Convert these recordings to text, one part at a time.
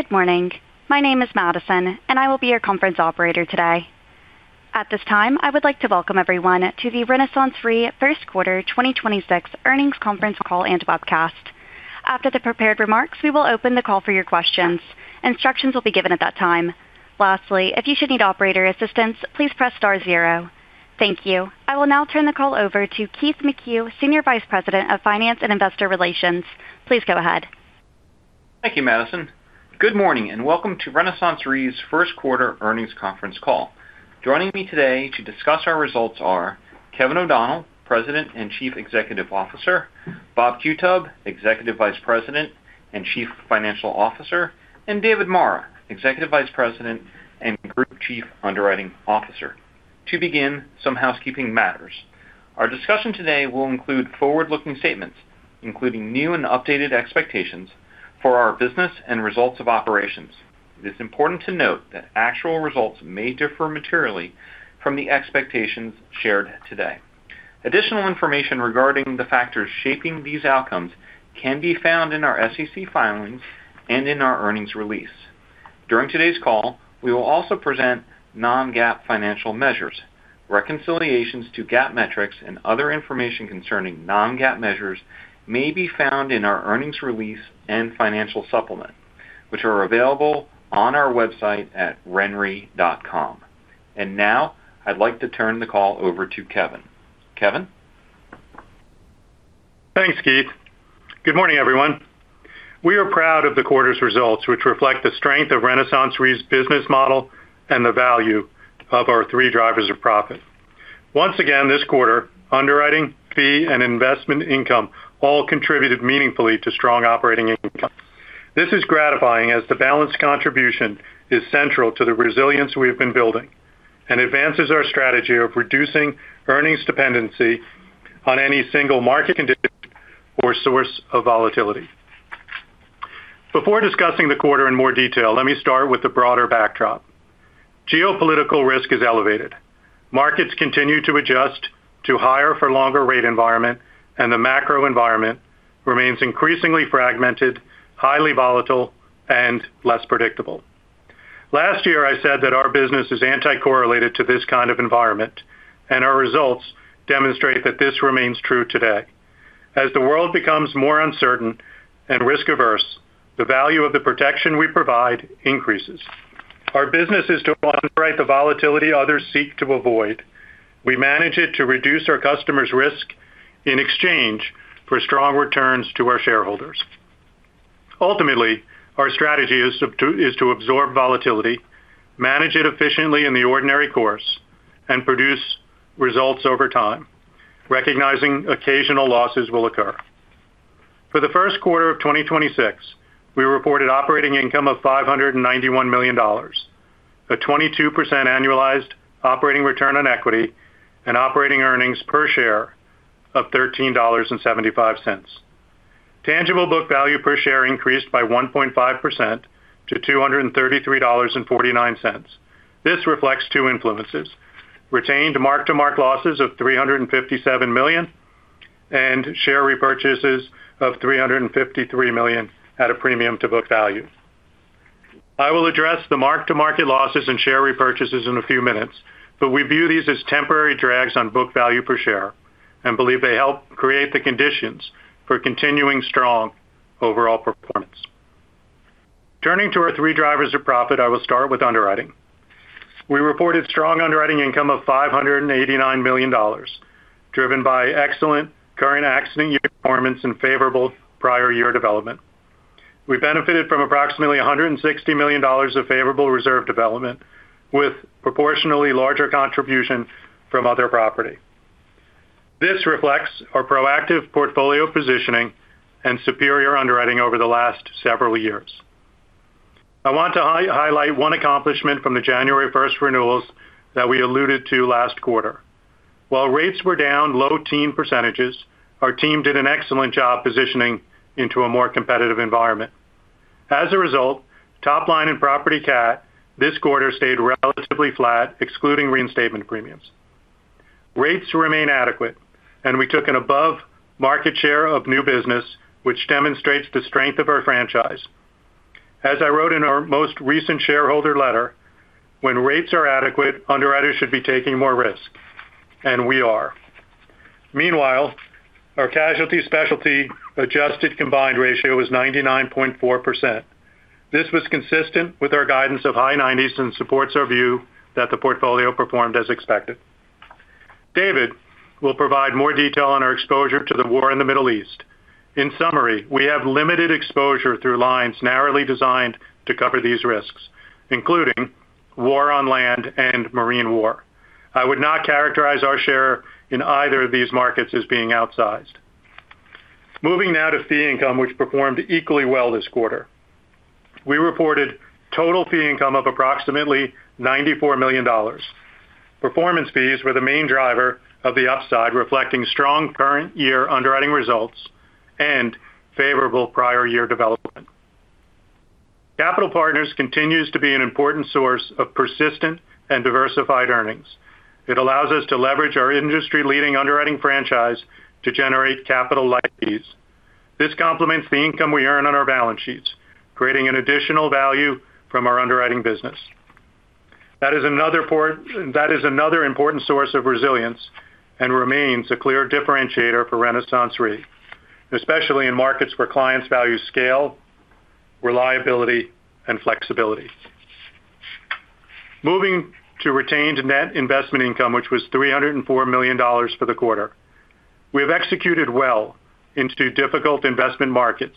Good morning. My name is Madison, and I will be your conference operator today. At this time, I would like to welcome everyone to the RenaissanceRe First Quarter 2026 Earnings Conference Call and Webcast. After the prepared remarks, we will open the call for your questions. Instructions will be given at that time. Lastly, if you should need operator assistance, please press star zero. Thank you. I will now turn the call over to Keith McCue, Senior Vice President of Finance and Investor Relations. Please go ahead. Thank you, Madison. Good morning, and welcome to RenaissanceRe's first quarter earnings conference call. Joining me today to discuss our results are Kevin O'Donnell, President and Chief Executive Officer, Bob Qutub, Executive Vice President and Chief Financial Officer, and David Marra, Executive Vice President and Group Chief Underwriting Officer. To begin, some housekeeping matters. Our discussion today will include forward-looking statements, including new and updated expectations for our business and results of operations. It is important to note that actual results may differ materially from the expectations shared today. Additional information regarding the factors shaping these outcomes can be found in our SEC filings and in our earnings release. During today's call, we will also present non-GAAP financial measures. Reconciliations to GAAP metrics and other information concerning non-GAAP measures may be found in our earnings release and financial supplement, which are available on our website at renre.com. Now, I'd like to turn the call over to Kevin. Kevin? Thanks, Keith. Good morning, everyone. We are proud of the quarter's results, which reflect the strength of RenaissanceRe's business model and the value of our three drivers of profit. Once again, this quarter, underwriting, fee, and investment income all contributed meaningfully to strong operating income. This is gratifying as the balanced contribution is central to the resilience we have been building and advances our strategy of reducing earnings dependency on any single market condition or source of volatility. Before discussing the quarter in more detail, let me start with the broader backdrop. Geopolitical risk is elevated. Markets continue to adjust to higher for longer rate environment, and the macro environment remains increasingly fragmented, highly volatile, and less predictable. Last year, I said that our business is anti-correlated to this kind of environment, and our results demonstrate that this remains true today. As the world becomes more uncertain and risk-averse, the value of the protection we provide increases. Our business is to operate the volatility others seek to avoid. We manage it to reduce our customers' risk in exchange for strong returns to our shareholders. Ultimately, our strategy is to absorb volatility, manage it efficiently in the ordinary course, and produce results over time, recognizing occasional losses will occur. For the first quarter of 2026, we reported operating income of $591 million, a 22% annualized operating return on equity and operating earnings per share of $13.75. Tangible book value per share increased by 1.5% to $233.49. This reflects two influences: retained mark-to-market losses of $357 million and share repurchases of $353 million at a premium to book value. I will address the mark-to-market losses and share repurchases in a few minutes, but we view these as temporary drags on book value per share and believe they help create the conditions for continuing strong overall performance. Turning to our three drivers of profit, I will start with underwriting. We reported strong underwriting income of $589 million, driven by excellent current accident year performance and favorable prior year development. We benefited from approximately $160 million of favorable reserve development with proportionally larger contribution from other property. This reflects our proactive portfolio positioning and superior underwriting over the last several years. I want to highlight one accomplishment from the January first renewals that we alluded to last quarter. While rates were down low teen percentages, our team did an excellent job positioning into a more competitive environment. As a result, top line and property cat this quarter stayed relatively flat, excluding reinstatement premiums. Rates remain adequate, and we took an above-market share of new business, which demonstrates the strength of our franchise. As I wrote in our most recent shareholder letter, when rates are adequate, underwriters should be taking more risks, and we are. Meanwhile, our Casualty and Specialty adjusted combined ratio was 99.4%. This was consistent with our guidance of high nineties and supports our view that the portfolio performed as expected. David will provide more detail on our exposure to the war in the Middle East. In summary, we have limited exposure through lines narrowly designed to cover these risks, including war on land and marine war. I would not characterize our share in either of these markets as being outsized. Moving now to fee income, which performed equally well this quarter. We reported total fee income of approximately $94 million. Performance fees were the main driver of the upside, reflecting strong current year underwriting results and favorable prior year development. Capital Partners continues to be an important source of persistent and diversified earnings. It allows us to leverage our industry-leading underwriting franchise to generate capital like these. This complements the income we earn on our balance sheets, creating an additional value from our underwriting business. That is another important source of resilience and remains a clear differentiator for RenaissanceRe, especially in markets where clients value scale, reliability, and flexibility. Moving to retained net investment income, which was $304 million for the quarter. We have executed well into difficult investment markets.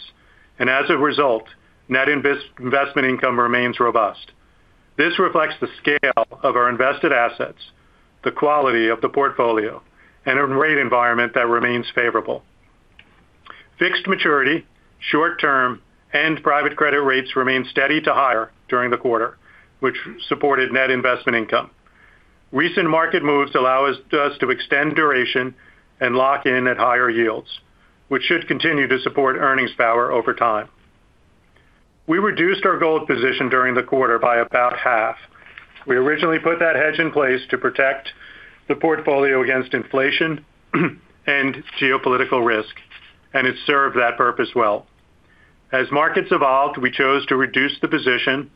As a result, net investment income remains robust. This reflects the scale of our invested assets, the quality of the portfolio, and a rate environment that remains favorable. Fixed maturity, short term, and private credit rates remain steady to higher during the quarter, which supported net investment income. Recent market moves allow us to extend duration and lock in at higher yields, which should continue to support earnings power over time. We reduced our gold position during the quarter by about half. We originally put that hedge in place to protect the portfolio against inflation and geopolitical risk. It served that purpose well. As markets evolved, we chose to reduce the position,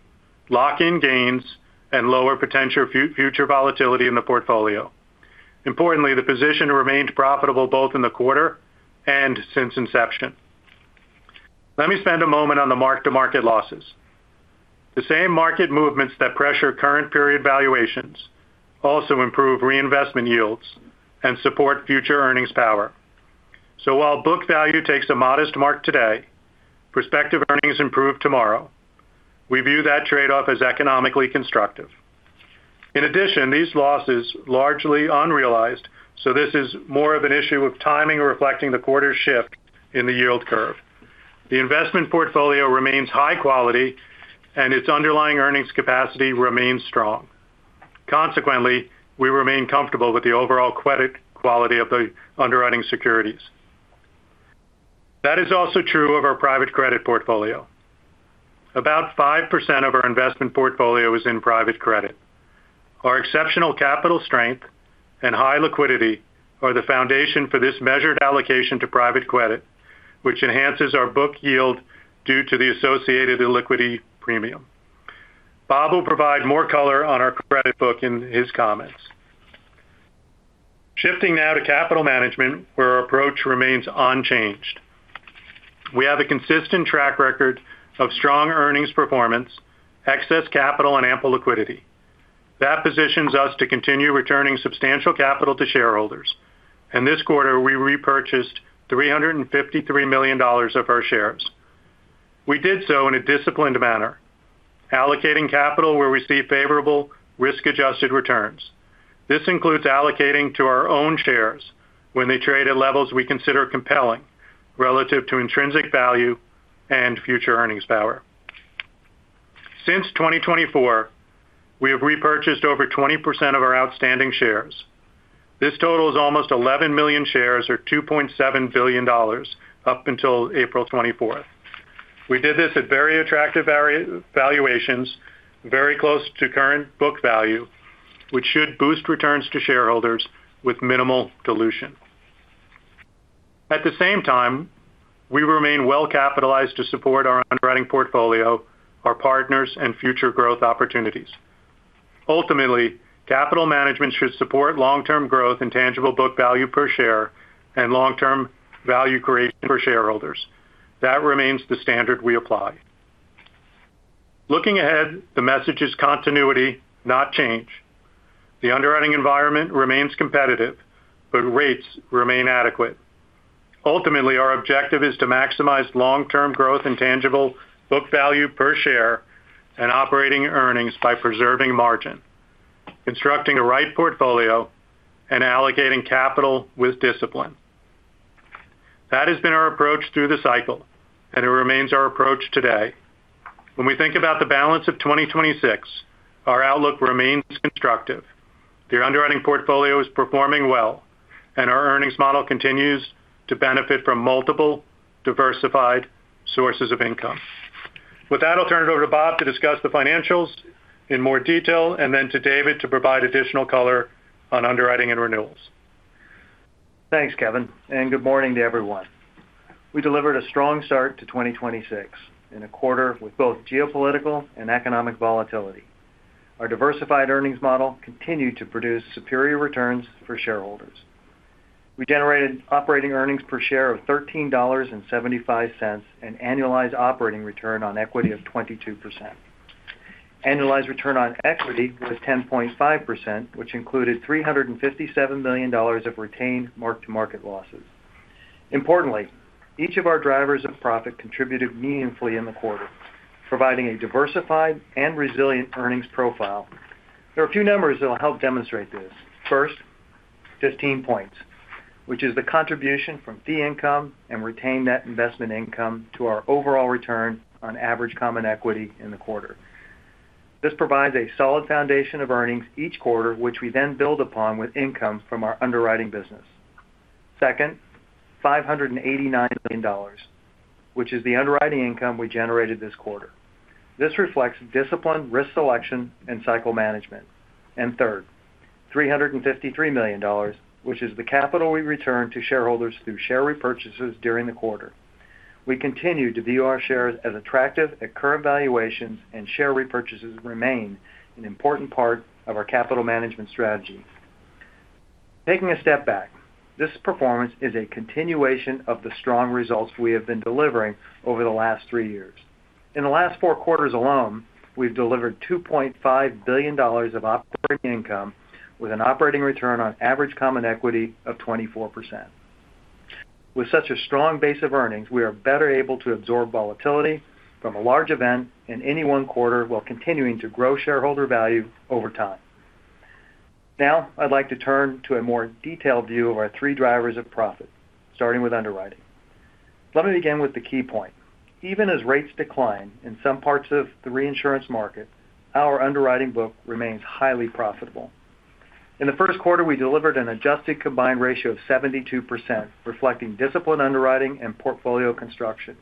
lock in gains, and lower potential future volatility in the portfolio. Importantly, the position remained profitable both in the quarter and since inception. Let me spend a moment on the mark-to-market losses. The same market movements that pressure current period valuations also improve reinvestment yields and support future earnings power. While book value takes a modest mark today, prospective earnings improve tomorrow. We view that trade-off as economically constructive. These losses largely unrealized, so this is more of an issue of timing reflecting the quarter shift in the yield curve. The investment portfolio remains high quality, and its underlying earnings capacity remains strong. We remain comfortable with the overall credit quality of the underwriting securities. That is also true of our private credit portfolio. About 5% of our investment portfolio is in private credit. Our exceptional capital strength and high liquidity are the foundation for this measured allocation to private credit, which enhances our book yield due to the associated illiquidity premium. Bob will provide more color on our credit book in his comments. Shifting now to capital management, where our approach remains unchanged. We have a consistent track record of strong earnings performance, excess capital, and ample liquidity. That positions us to continue returning substantial capital to shareholders. In this quarter, we repurchased $353 million of our shares. We did so in a disciplined manner, allocating capital where we see favorable risk-adjusted returns. This includes allocating to our own shares when they trade at levels we consider compelling relative to intrinsic value and future earnings power. Since 2024, we have repurchased over 20% of our outstanding shares. This total is almost 11 million shares or $2.7 billion up until April 24th. We did this at very attractive valuations, very close to current book value, which should boost returns to shareholders with minimal dilution. At the same time, we remain well-capitalized to support our underwriting portfolio, our partners, and future growth opportunities. Ultimately, capital management should support long-term growth and tangible book value per share and long-term value creation for shareholders. That remains the standard we apply. Looking ahead, the message is continuity, not change. The underwriting environment remains competitive, rates remain adequate. Ultimately, our objective is to maximize long-term growth and tangible book value per share and operating earnings by preserving margin, constructing the right portfolio, and allocating capital with discipline. That has been our approach through the cycle, and it remains our approach today. When we think about the balance of 2026, our outlook remains constructive. The underwriting portfolio is performing well, and our earnings model continues to benefit from multiple diversified sources of income. With that, I'll turn it over to Bob to discuss the financials in more detail and then to David to provide additional color on underwriting and renewals. Thanks, Kevin, and good morning to everyone. We delivered a strong start to 2026 in a quarter with both geopolitical and economic volatility. Our diversified earnings model continued to produce superior returns for shareholders. We generated operating earnings per share of $13.75, an annualized operating return on equity of 22%. Annualized return on equity was 10.5%, which included $357 million of retained mark-to-market losses. Importantly, each of our drivers of profit contributed meaningfully in the quarter, providing a diversified and resilient earnings profile. There are a few numbers that will help demonstrate this. First, 15 points, which is the contribution from fee income and retained net investment income to our overall return on average common equity in the quarter. This provides a solid foundation of earnings each quarter, which we then build upon with income from our underwriting business. Second, $589 million, which is the underwriting income we generated this quarter. This reflects disciplined risk selection and cycle management. Third, $353 million, which is the capital we returned to shareholders through share repurchases during the quarter. We continue to view our shares as attractive at current valuations, and share repurchases remain an important part of our capital management strategy. Taking a step back, this performance is a continuation of the strong results we have been delivering over the last three years. In the last four quarters alone, we've delivered $2.5 billion of operating income with an operating return on average common equity of 24%. With such a strong base of earnings, we are better able to absorb volatility from a large event in any one quarter while continuing to grow shareholder value over time. Now I'd like to turn to a more detailed view of our three drivers of profit, starting with underwriting. Let me begin with the key point. Even as rates decline in some parts of the reinsurance market, our underwriting book remains highly profitable. In the first quarter, we delivered an adjusted combined ratio of 72%, reflecting disciplined underwriting and portfolio construction.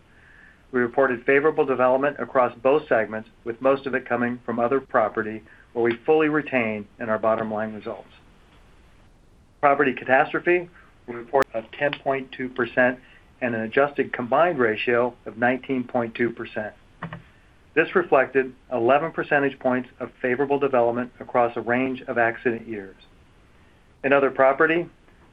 We reported favorable development across both segments, with most of it coming from other property where we fully retain in our bottom-line results. Property catastrophe, we report a 10.2% and an adjusted combined ratio of 19.2%. This reflected 11 percentage points of favorable development across a range of accident years. In other property,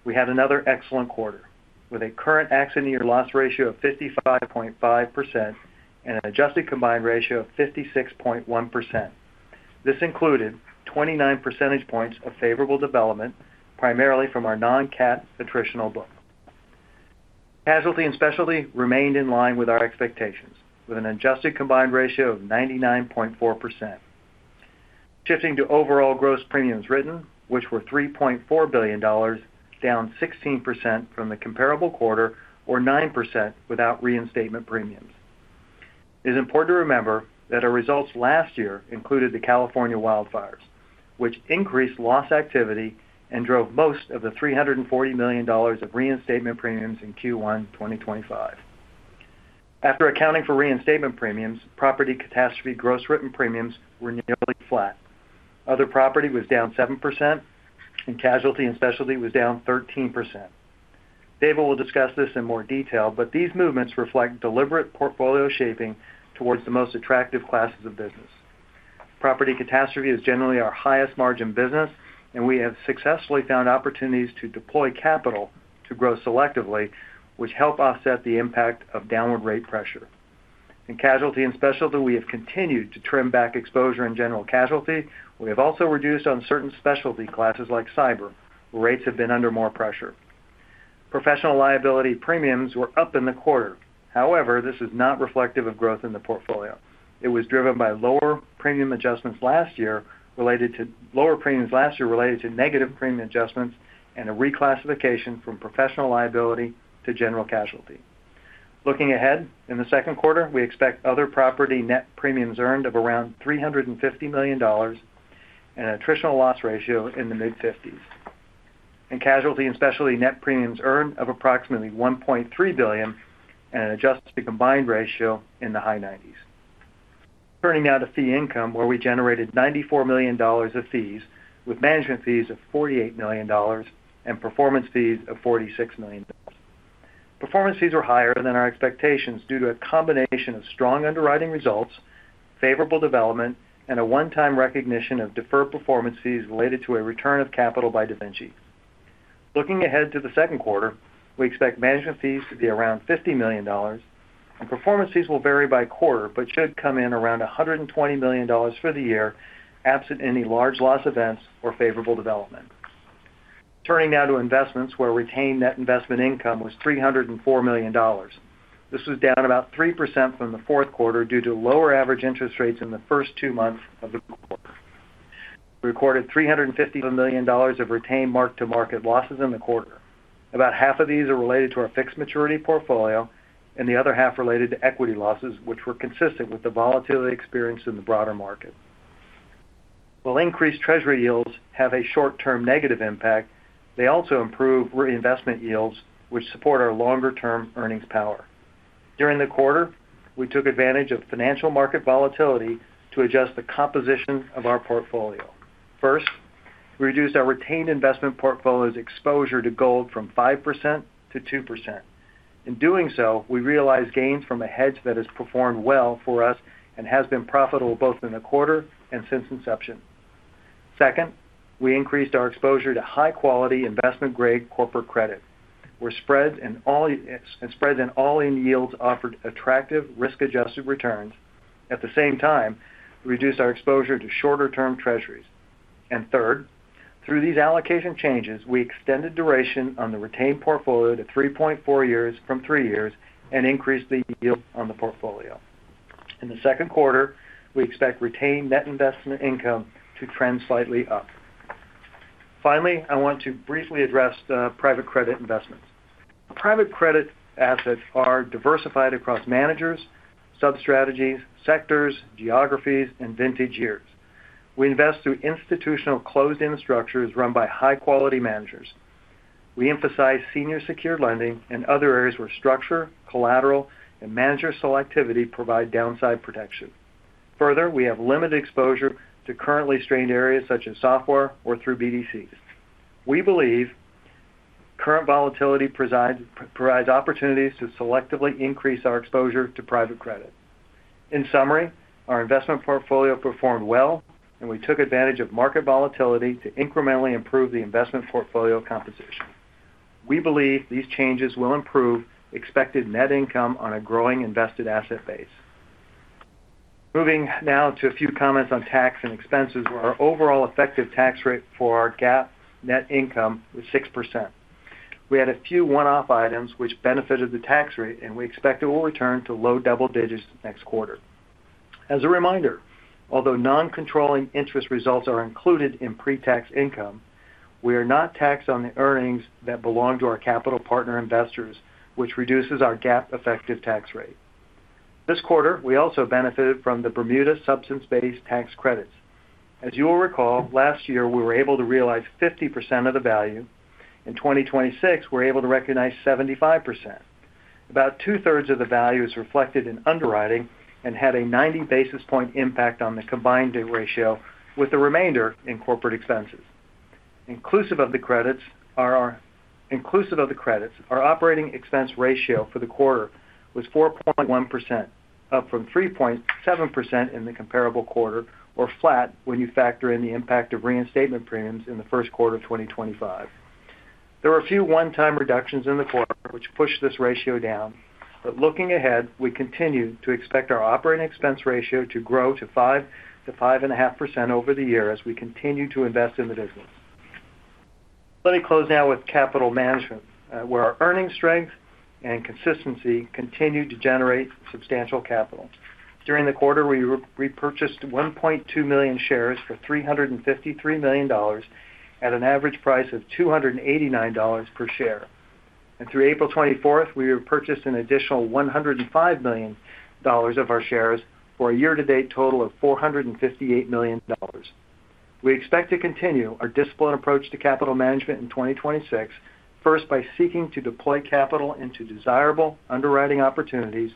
we had another excellent quarter with a current accident year loss ratio of 55.5% and an adjusted combined ratio of 66.1%. This included 29 percentage points of favorable development, primarily from our non-cat attritional book. Casualty and Specialty remained in line with our expectations, with an adjusted combined ratio of 99.4%. Shifting to overall gross premiums written, which were $3.4 billion, down 16% from the comparable quarter or 9% without reinstatement premiums. It is important to remember that our results last year included the California wildfires, which increased loss activity and drove most of the $340 million of reinstatement premiums in Q1 2025. After accounting for reinstatement premiums, property catastrophe gross written premiums were nearly flat. Other property was down 7%, Casualty and Specialty was down 13%. David will discuss this in more detail, these movements reflect deliberate portfolio shaping towards the most attractive classes of business. property catastrophe is generally our highest margin business, we have successfully found opportunities to deploy capital to grow selectively, which help offset the impact of downward rate pressure. In Casualty and Specialty, we have continued to trim back exposure in general casualty. We have also reduced on certain specialty classes like cyber, where rates have been under more pressure. Professional liability premiums were up in the quarter. This is not reflective of growth in the portfolio. It was driven by lower premium adjustments last year related to lower premiums last year related to negative premium adjustments and a reclassification from professional liability to general casualty. Looking ahead, in the second quarter, we expect other property net premiums earned of around $350 million and an attritional loss ratio in the mid-50s. In Casualty and Specialty net premiums earned of approximately $1.3 billion and an adjusted combined ratio in the high 90s. Turning now to fee income, where we generated $94 million of fees, with management fees of $48 million and performance fees of $46 million. Performance fees were higher than our expectations due to a combination of strong underwriting results, favorable development, and a one-time recognition of deferred performance fees related to a return of capital by DaVinciRe. Looking ahead to the second quarter, we expect management fees to be around $50 million, and performance fees will vary by quarter but should come in around $120 million for the year, absent any large loss events or favorable development. Turning now to investments where retained net investment income was $304 million. This was down about 3% from the fourth quarter due to lower average interest rates in the first two months of the quarter. We recorded $350 million of retained mark-to-market losses in the quarter. About half of these are related to our fixed maturity portfolio and the other half related to equity losses, which were consistent with the volatility experienced in the broader market. While increased Treasury yields have a short-term negative impact, they also improve reinvestment yields, which support our longer-term earnings power. During the quarter, we took advantage of financial market volatility to adjust the composition of our portfolio. First, we reduced our retained investment portfolio's exposure to gold from 5% to 2%. In doing so, we realized gains from a hedge that has performed well for us and has been profitable both in the quarter and since inception. Second, we increased our exposure to high-quality investment-grade corporate credit, where spreads and all in yields offered attractive risk-adjusted returns. At the same time, we reduced our exposure to shorter-term Treasuries. Third, through these allocation changes, we extended duration on the retained portfolio to 3.4 years from three years and increased the yield on the portfolio. In the second quarter, we expect retained net investment income to trend slightly up. Finally, I want to briefly address the private credit investments. Private credit assets are diversified across managers, sub-strategies, sectors, geographies, and vintage years. We invest through institutional closed-end structures run by high-quality managers. We emphasize senior secured lending and other areas where structure, collateral, and manager selectivity provide downside protection. We have limited exposure to currently strained areas such as software or through BDCs. We believe current volatility provides opportunities to selectively increase our exposure to private credit. In summary, our investment portfolio performed well, and we took advantage of market volatility to incrementally improve the investment portfolio composition. We believe these changes will improve expected net income on a growing invested asset base. Moving now to a few comments on tax and expenses, where our overall effective tax rate for our GAAP net income was 6%. We had a few one-off items which benefited the tax rate, and we expect it will return to low double digits next quarter. As a reminder, although non-controlling interest results are included in pre-tax income, we are not taxed on the earnings that belong to our capital partner investors, which reduces our GAAP effective tax rate. This quarter, we also benefited from the Bermuda substance-based tax credits. As you will recall, last year, we were able to realize 50% of the value. In 2026, we're able to recognize 75%. About 2/3 of the value is reflected in underwriting and had a 90 basis point impact on the combined ratio, with the remainder in corporate expenses. Inclusive of the credits, our operating expense ratio for the quarter was 4.1%, up from 3.7% in the comparable quarter or flat when you factor in the impact of reinstatement premiums in the first quarter of 2025. There were a few one-time reductions in the quarter which pushed this ratio down. Looking ahead, we continue to expect our operating expense ratio to grow to 5%-5.5% over the year as we continue to invest in the business. Let me close now with capital management, where our earnings strength and consistency continue to generate substantial capital. During the quarter, we repurchased 1.2 million shares for $353 million at an average price of $289 per share. Through April 24th, we repurchased an additional $105 million of our shares for a year-to-date total of $458 million. We expect to continue our disciplined approach to capital management in 2026, first, by seeking to deploy capital into desirable underwriting opportunities,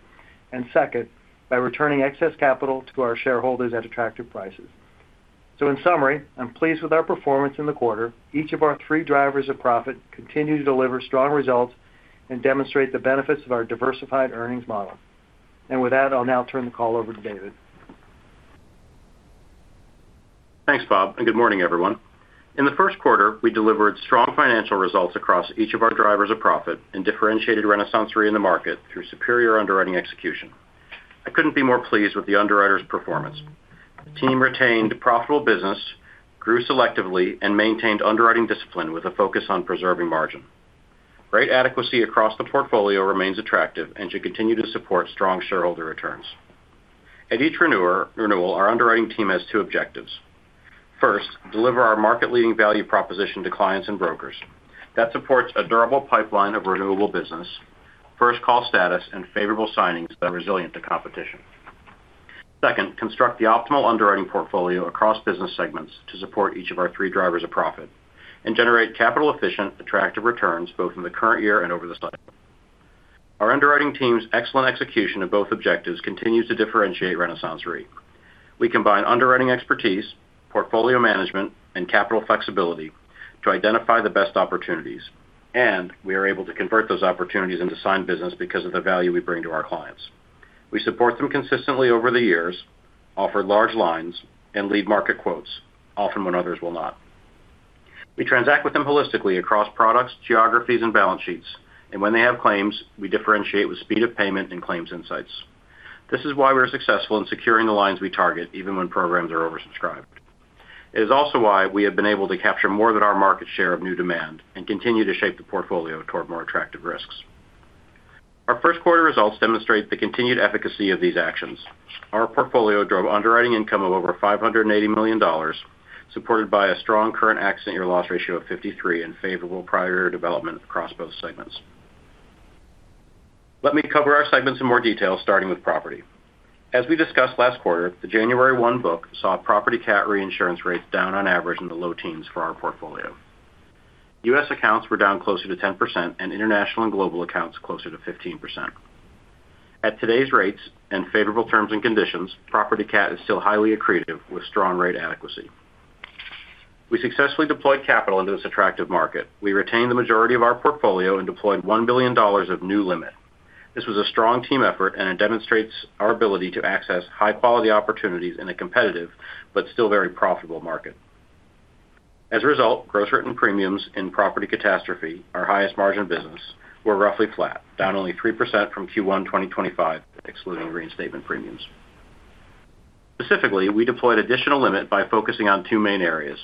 and second, by returning excess capital to our shareholders at attractive prices. In summary, I'm pleased with our performance in the quarter. Each of our three drivers of profit continue to deliver strong results and demonstrate the benefits of our diversified earnings model. With that, I'll now turn the call over to David. Thanks, Bob, good morning, everyone. In the first quarter, we delivered strong financial results across each of our drivers of profit and differentiated RenaissanceRe in the market through superior underwriting execution. I couldn't be more pleased with the underwriters' performance. The team retained profitable business, grew selectively, and maintained underwriting discipline with a focus on preserving margin. Rate adequacy across the portfolio remains attractive and should continue to support strong shareholder returns. At each renewal, our underwriting team has two objectives. First, deliver our market-leading value proposition to clients and brokers. That supports a durable pipeline of renewable business, first-call status, and favorable signings that are resilient to competition. Second, construct the optimal underwriting portfolio across business segments to support each of our three drivers of profit and generate capital-efficient, attractive returns both in the current year and over the cycle. Our underwriting team's excellent execution of both objectives continues to differentiate RenaissanceRe. We combine underwriting expertise, portfolio management, and capital flexibility to identify the best opportunities, and we are able to convert those opportunities into signed business because of the value we bring to our clients. We support them consistently over the years, offer large lines, and lead market quotes, often when others will not. We transact with them holistically across products, geographies, and balance sheets, and when they have claims, we differentiate with speed of payment and claims insights. This is why we are successful in securing the lines we target, even when programs are oversubscribed. It is also why we have been able to capture more than our market share of new demand and continue to shape the portfolio toward more attractive risks. Our first quarter results demonstrate the continued efficacy of these actions. Our portfolio drove underwriting income of over $580 million, supported by a strong current accident year loss ratio of 53 and favorable prior year development across both segments. Let me cover our segments in more detail, starting with Property. As we discussed last quarter, the January 1 book saw Property cat reinsurance rates down on average in the low teens for our portfolio. U.S. accounts were down closer to 10%, and international and global accounts closer to 15%. At today's rates and favorable terms and conditions, Property cat is still highly accretive with strong rate adequacy. We successfully deployed capital into this attractive market. We retained the majority of our portfolio and deployed $1 billion of new limit. This was a strong team effort, it demonstrates our ability to access high-quality opportunities in a competitive but still very profitable market. As a result, gross written premiums in Property catastrophe, our highest margin business, were roughly flat, down only 3% from Q1 2025, excluding reinstatement premiums. Specifically, we deployed additional limit by focusing on two main areas.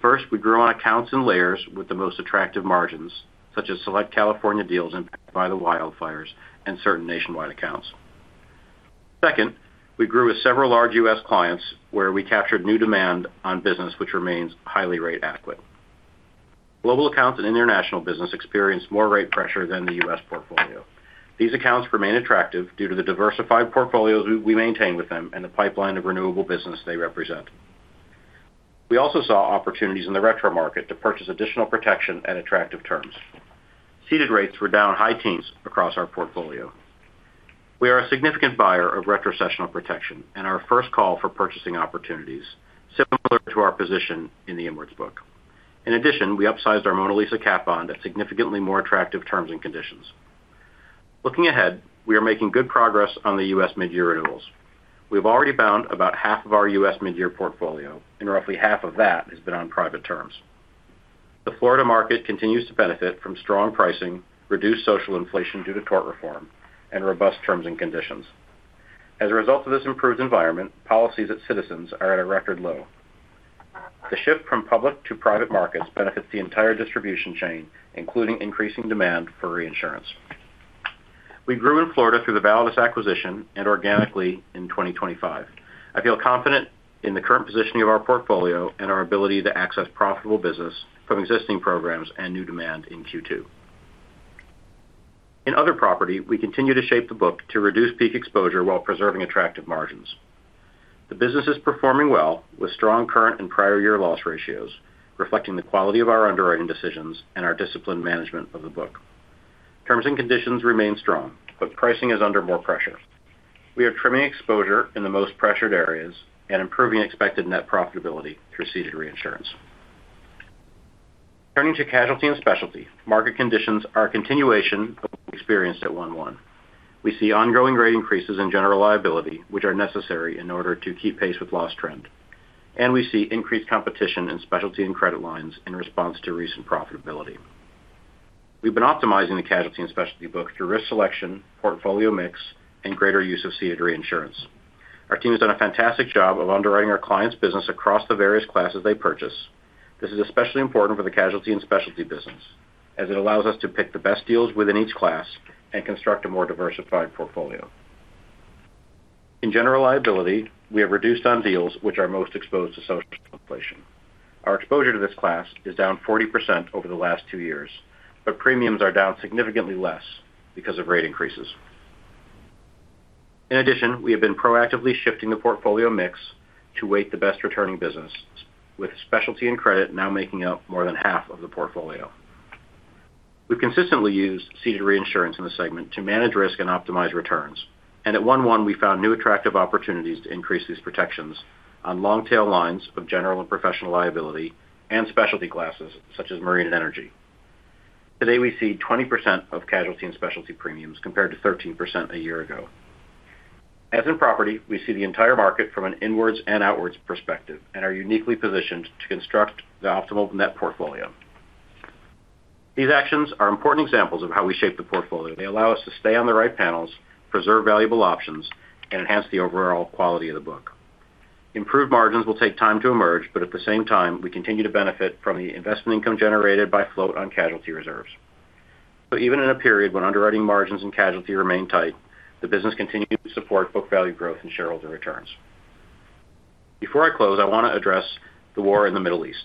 First, we grew on accounts and layers with the most attractive margins, such as select California deals impacted by the wildfires and certain nationwide accounts. Second, we grew with several large U.S. clients where we captured new demand on business which remains highly rate adequate. Global accounts and international business experience more rate pressure than the U.S. portfolio. These accounts remain attractive due to the diversified portfolios we maintain with them and the pipeline of renewable business they represent. We also saw opportunities in the retro market to purchase additional protection at attractive terms. Ceded rates were down high teens across our portfolio. We are a significant buyer of retrocessional protection and our first call for purchasing opportunities, similar to our position in the inwards book. In addition, we upsized our Mona Lisa cat bond at significantly more attractive terms and conditions. Looking ahead, we are making good progress on the U.S. midyear renewals. We've already found about half of our U.S. midyear portfolio, and roughly half of that has been on private terms. The Florida market continues to benefit from strong pricing, reduced social inflation due to tort reform, and robust terms and conditions. As a result of this improved environment, policies at Citizens are at a record low. The shift from public to private markets benefits the entire distribution chain, including increasing demand for reinsurance. We grew in Florida through the Validus Re acquisition and organically in 2025. I feel confident in the current positioning of our portfolio and our ability to access profitable business from existing programs and new demand in Q2. In other property, we continue to shape the book to reduce peak exposure while preserving attractive margins. The business is performing well with strong current and prior year loss ratios, reflecting the quality of our underwriting decisions and our disciplined management of the book. Terms and conditions remain strong, but pricing is under more pressure. We are trimming exposure in the most pressured areas and improving expected net profitability through ceded reinsurance. Turning to Casualty and Specialty, market conditions are a continuation of what we experienced at 1/1. We see ongoing rate increases in general liability, which are necessary in order to keep pace with loss trend, and we see increased competition in specialty and credit lines in response to recent profitability. We've been optimizing the Casualty and Specialty book through risk selection, portfolio mix, and greater use of ceded reinsurance. Our team has done a fantastic job of underwriting our clients' business across the various classes they purchase. This is especially important for the Casualty and Specialty business, as it allows us to pick the best deals within each class and construct a more diversified portfolio. In general liability, we have reduced on deals which are most exposed to social inflation. Our exposure to this class is down 40% over the last two years, but premiums are down significantly less because of rate increases. In addition, we have been proactively shifting the portfolio mix to weight the best returning business, with specialty and credit now making up more than half of the portfolio. We've consistently used ceded reinsurance in the segment to manage risk and optimize returns. At one-one, we found new attractive opportunities to increase these protections on long tail lines of general and professional liability and specialty classes such as marine and energy. Today, we see 20% of Casualty and Specialty premiums compared to 13% a year ago. As in property, we see the entire market from an inwards and outwards perspective and are uniquely positioned to construct the optimal net portfolio. These actions are important examples of how we shape the portfolio. They allow us to stay on the right panels, preserve valuable options, and enhance the overall quality of the book. Improved margins will take time to emerge, at the same time, we continue to benefit from the investment income generated by float on casualty reserves. Even in a period when underwriting margins and casualty remain tight, the business continues to support book value growth and shareholder returns. Before I close, I want to address the war in the Middle East.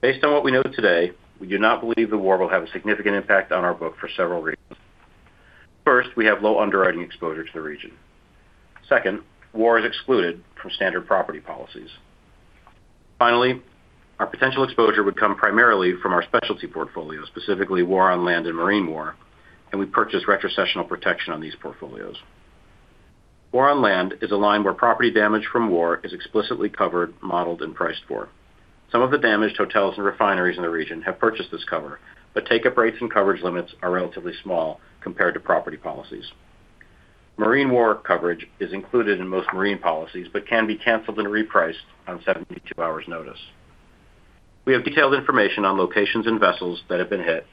Based on what we know today, we do not believe the war will have a significant impact on our book for several reasons. First, we have low underwriting exposure to the region. Second, war is excluded from standard property policies. Finally, our potential exposure would come primarily from our specialty portfolio, specifically war on land and marine war, and we purchase retrocessional protection on these portfolios. War on land is a line where property damage from war is explicitly covered, modeled, and priced for. Some of the damaged hotels and refineries in the region have purchased this cover, but take-up rates and coverage limits are relatively small compared to property policies. Marine war coverage is included in most marine policies, but can be canceled and repriced on 72 hours' notice. We have detailed information on locations and vessels that have been hit,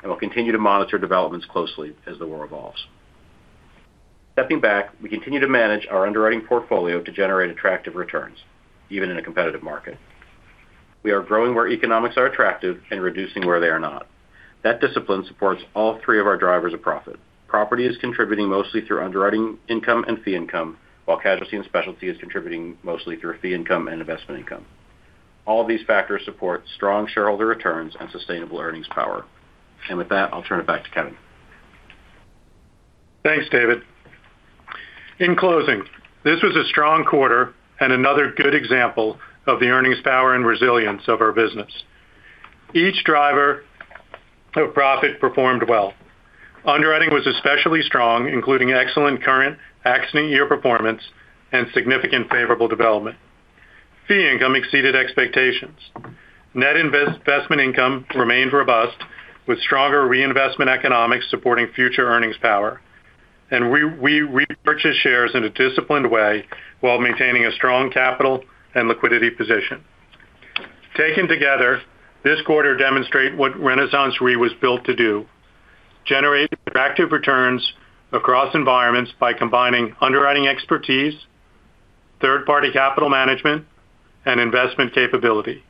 and we'll continue to monitor developments closely as the war evolves. Stepping back, we continue to manage our underwriting portfolio to generate attractive returns, even in a competitive market. We are growing where economics are attractive and reducing where they are not. That discipline supports all three of our drivers of profit. Property is contributing mostly through underwriting income and fee income, while Casualty and Specialty is contributing mostly through fee income and investment income. All these factors support strong shareholder returns and sustainable earnings power. With that, I'll turn it back to Kevin. Thanks, David. In closing, this was a strong quarter and another good example of the earnings power and resilience of our business. Each driver of profit performed well. Underwriting was especially strong, including excellent current accident year performance and significant favorable development. Fee income exceeded expectations. Net investment income remained robust, with stronger reinvestment economics supporting future earnings power. We repurchased shares in a disciplined way while maintaining a strong capital and liquidity position. Taken together, this quarter demonstrate what RenaissanceRe was built to do, generate attractive returns across environments by combining underwriting expertise, third-party capital management, and investment capability.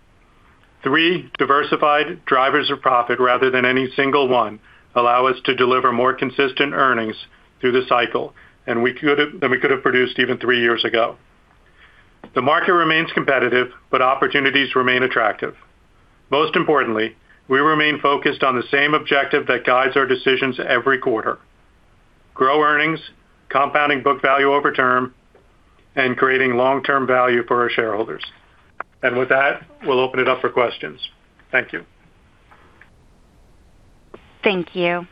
Three diversified drivers of profit rather than any single one allow us to deliver more consistent earnings through the cycle, than we could have produced even three years ago. The market remains competitive. Opportunities remain attractive. Most importantly, we remain focused on the same objective that guides our decisions every quarter. Grow earnings, compounding book value over term, and creating long-term value for our shareholders. With that, we'll open it up for questions. Thank you. Thank you.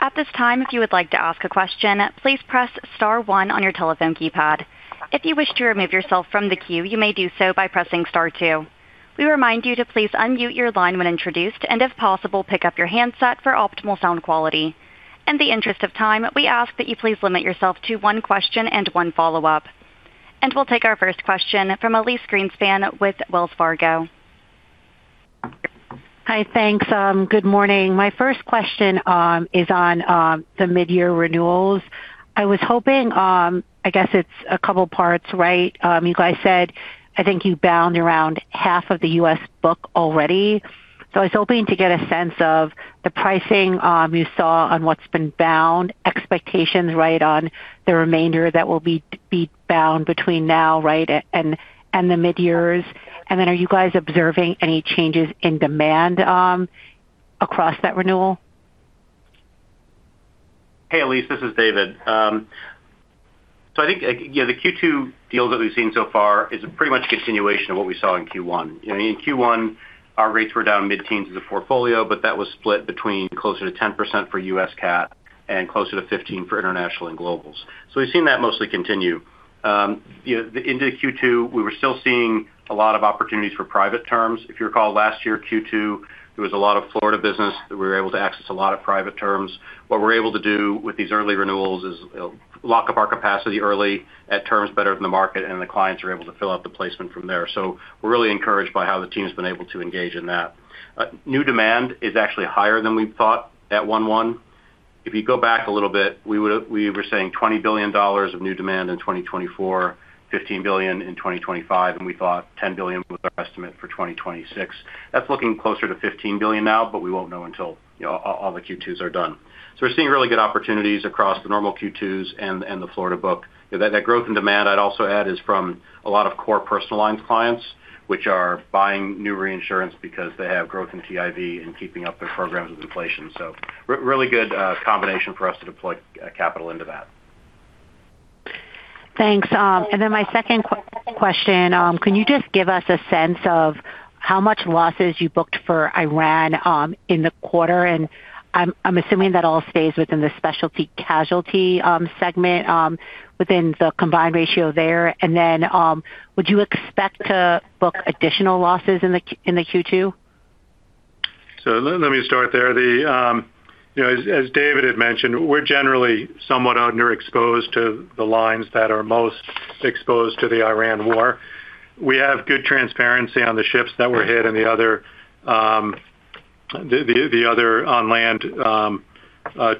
At this time, if you would like to ask a question, please press star one on your telephone keypad. If you wish to remove yourself from the queue, you may do so by pressing star two. We remind you to please unmute your line when introduced, and if possible, pick up your handset for optimal sound quality. In the interest of time, we ask that you please limit yourself to one question and one follow-up. We'll take our first question from Elyse Greenspan with Wells Fargo. Hi. Thanks. Good morning. My first question is on the midyear renewals. I was hoping, I guess it's a couple parts, right? You guys said, I think you bound around half of the U.S. book already. I was hoping to get a sense of the pricing you saw on what's been bound, expectations, right, on the remainder that will be bound between now, right, and the midyears. Are you guys observing any changes in demand across that renewal? Hey, Elyse, this is David. I think, you know, the Q2 deals that we've seen so far is pretty much a continuation of what we saw in Q1. You know, in Q1, our rates were down mid-teens as a portfolio, but that was split between closer to 10% for U.S. cat and closer to 15% for international and globals. We've seen that mostly continue. You know, into Q2, we were still seeing a lot of opportunities for private terms. If you recall last year, Q2, there was a lot of Florida business that we were able to access a lot of private terms. What we're able to do with these early renewals is lock up our capacity early at terms better than the market, and the clients are able to fill out the placement from there. We're really encouraged by how the team's been able to engage in that. New demand is actually higher than we thought at 1/1. If you go back a little bit, we were saying $20 billion of new demand in 2024, $15 billion in 2025, and we thought $10 billion was our estimate for 2026. That's looking closer to $15 billion now, but we won't know until, you know, all the Q2s are done. We're seeing really good opportunities across the normal Q2s and the Florida book. You know, that growth in demand, I'd also add, is from a lot of core personal lines clients, which are buying new reinsurance because they have growth in TIV and keeping up their programs with inflation. Really good combination for us to deploy capital into that. Thanks. my second question, can you just give us a sense of how much losses you booked for Iran in the quarter? I'm assuming that all stays within the Specialty Casualty segment within the combined ratio there. would you expect to book additional losses in the Q2? Let me start there. The, you know, as David had mentioned, we're generally somewhat under exposed to the lines that are most exposed to the Iran war. We have good transparency on the ships that were hit and the other on land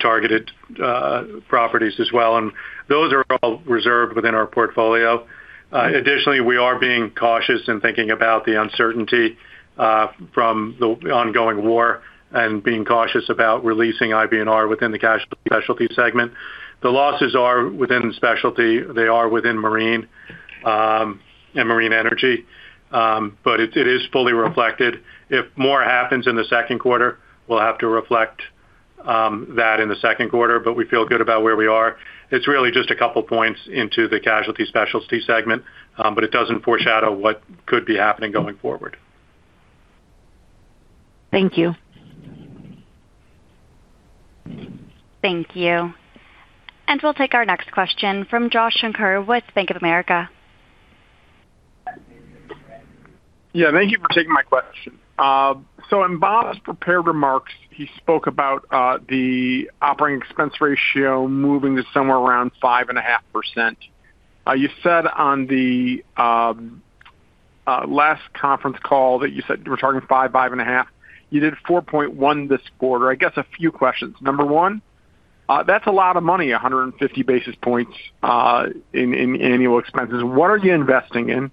targeted properties as well, and those are all reserved within our portfolio. Additionally, we are being cautious in thinking about the uncertainty from the ongoing war and being cautious about releasing IBNR within the Casualty and Specialty segment. The losses are within specialty. They are within marine and marine energy. But it is fully reflected. If more happens in the second quarter, we'll have to reflect that in the second quarter, but we feel good about where we are. It's really just a couple points into the Casualty Specialty segment, but it doesn't foreshadow what could be happening going forward. Thank you. Thank you. We'll take our next question from Joshua Shanker with Bank of America Corporation. Thank you for taking my question. In Bob's prepared remarks, he spoke about the operating expense ratio moving to somewhere around 5.5%. You said on the last conference call that you said you were targeting 5%, 5.5%. You did 4.1% this quarter. I guess a few questions. Number one, that's a lot of money, 150 basis points in annual expenses. What are you investing in?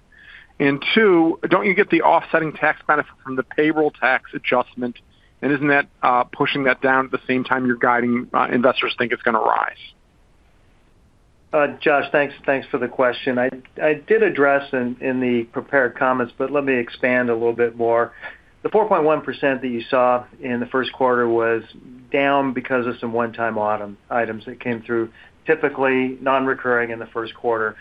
Two, don't you get the offsetting tax benefit from the payroll tax adjustment, and isn't that pushing that down at the same time you're guiding investors think it's gonna rise? Josh, thanks for the question. I did address in the prepared comments, let me expand a little bit more. The 4.1% that you saw in the first quarter was down because of some one-time items that came through, typically non-recurring in the first quarter.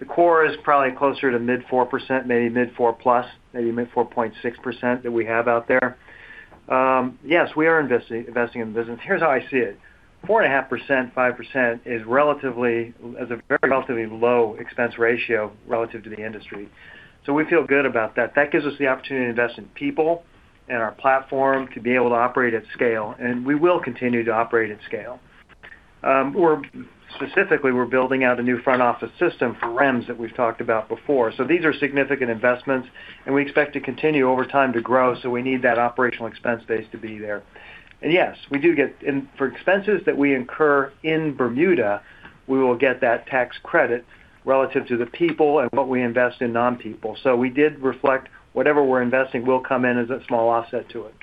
The core is probably closer to mid-4%, maybe mid-4+, maybe mid-4.6% that we have out there. Yes, we are investing in the business. Here's how I see it. 4.5%, 5% is a very relatively low expense ratio relative to the industry. We feel good about that. That gives us the opportunity to invest in people and our platform to be able to operate at scale, we will continue to operate at scale. Specifically, we're building out a new front office system for REMS that we've talked about before. These are significant investments, and we expect to continue over time to grow, so we need that operational expense base to be there. Yes, for expenses that we incur in Bermuda, we will get that tax credit relative to the people and what we invest in non-people. We did reflect whatever we're investing will come in as a small offset to it.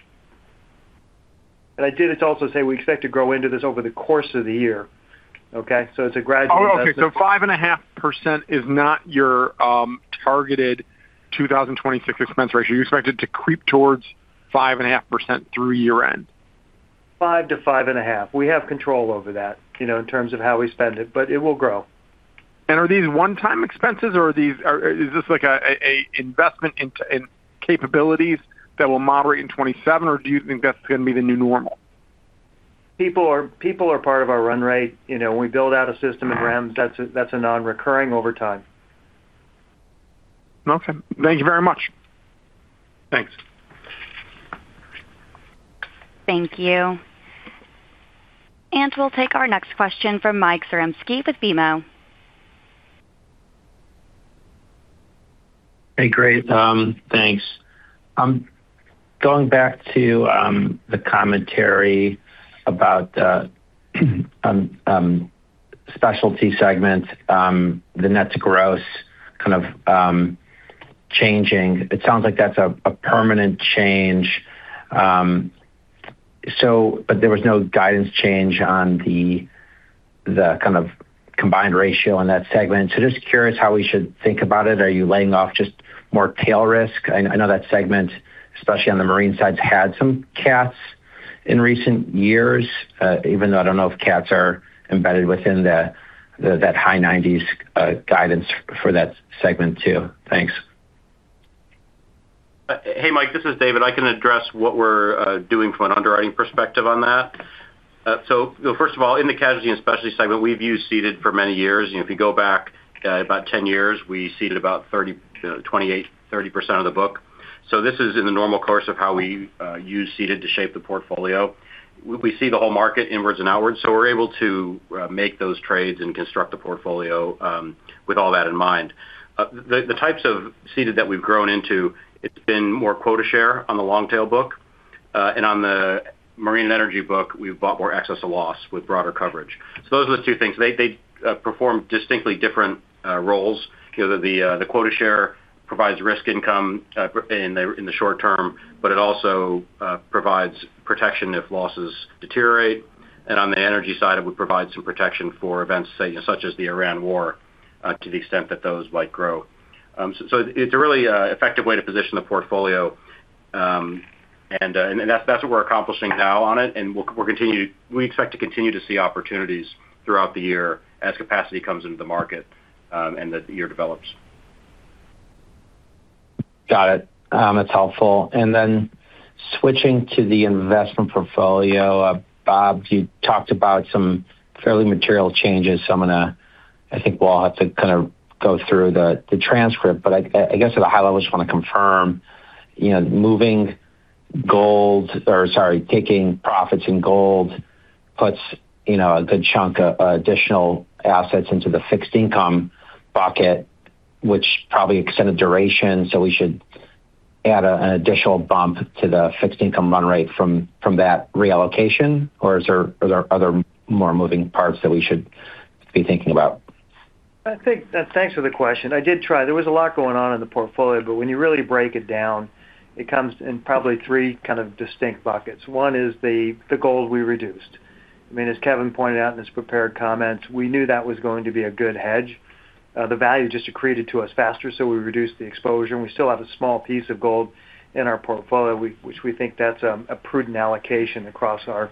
I did also say we expect to grow into this over the course of the year, okay? It's a gradual investment. Oh, okay. 5.5% is not your targeted 2026 expense ratio. You expect it to creep towards 5.5% through year-end. 5%-5.5%. We have control over that, you know, in terms of how we spend it. It will grow. Are these one-time expenses or is this like an investment in capabilities that will moderate in 2027 or do you think that's gonna be the new normal? People are part of our run rate. You know, when we build out a system in REMS. That's a non-recurring over time. Okay. Thank you very much. Thanks. Thank you. We'll take our next question from Michael Zaremski with BMO Capital Markets. Hey, great. Thanks. Going back to the commentary about Specialty segment, the net to gross kind of changing. It sounds like that's a permanent change. There was no guidance change on the kind of combined ratio in that segment. Just curious how we should think about it. Are you laying off just more tail risk? I know that segment, especially on the marine sides, had some cats in recent years, even though I don't know if cats are embedded within the that high 90s% guidance for that segment too. Thanks. Hey, Michael, this is David. I can address what we're doing from an underwriting perspective on that. First of all, in the Casualty and Specialty segment, we've used ceded for many years. You know, if you go back about 10 years, we ceded about 28%-30% of the book. This is in the normal course of how we use ceded to shape the portfolio. We see the whole market inwards and outwards, so we're able to make those trades and construct the portfolio with all that in mind. The types of ceded that we've grown into, it's been more quota share on the long tail book. On the marine energy book, we've bought more excess of loss with broader coverage. Those are the two things. They perform distinctly different roles. You know, the quota share provides risk income in the short term, but it also provides protection if losses deteriorate. On the energy side, it would provide some protection for events, say, such as the Iran war, to the extent that those might grow. It's really an effective way to position the portfolio. That's what we're accomplishing now on it, and we expect to continue to see opportunities throughout the year as capacity comes into the market, and the year develops. Got it. That's helpful. Switching to the investment portfolio, Bob, you talked about some fairly material changes. I think we'll have to kind of go through the transcript, but I guess at a high level, just want to confirm, you know, moving gold or, sorry, taking profits in gold puts, you know, a good chunk of additional assets into the fixed income bucket, which probably extended duration. We should add an additional bump to the fixed income run rate from that reallocation? Or is there, are there other more moving parts that we should be thinking about? I think. Thanks for the question. I did try. There was a lot going on in the portfolio, but when you really break it down, it comes in probably three kind of distinct buckets. One is the gold we reduced. I mean, as Kevin pointed out in his prepared comments, we knew that was going to be a good hedge. The value just accreted to us faster, so we reduced the exposure, and we still have a small piece of gold in our portfolio, which we think that's a prudent allocation across our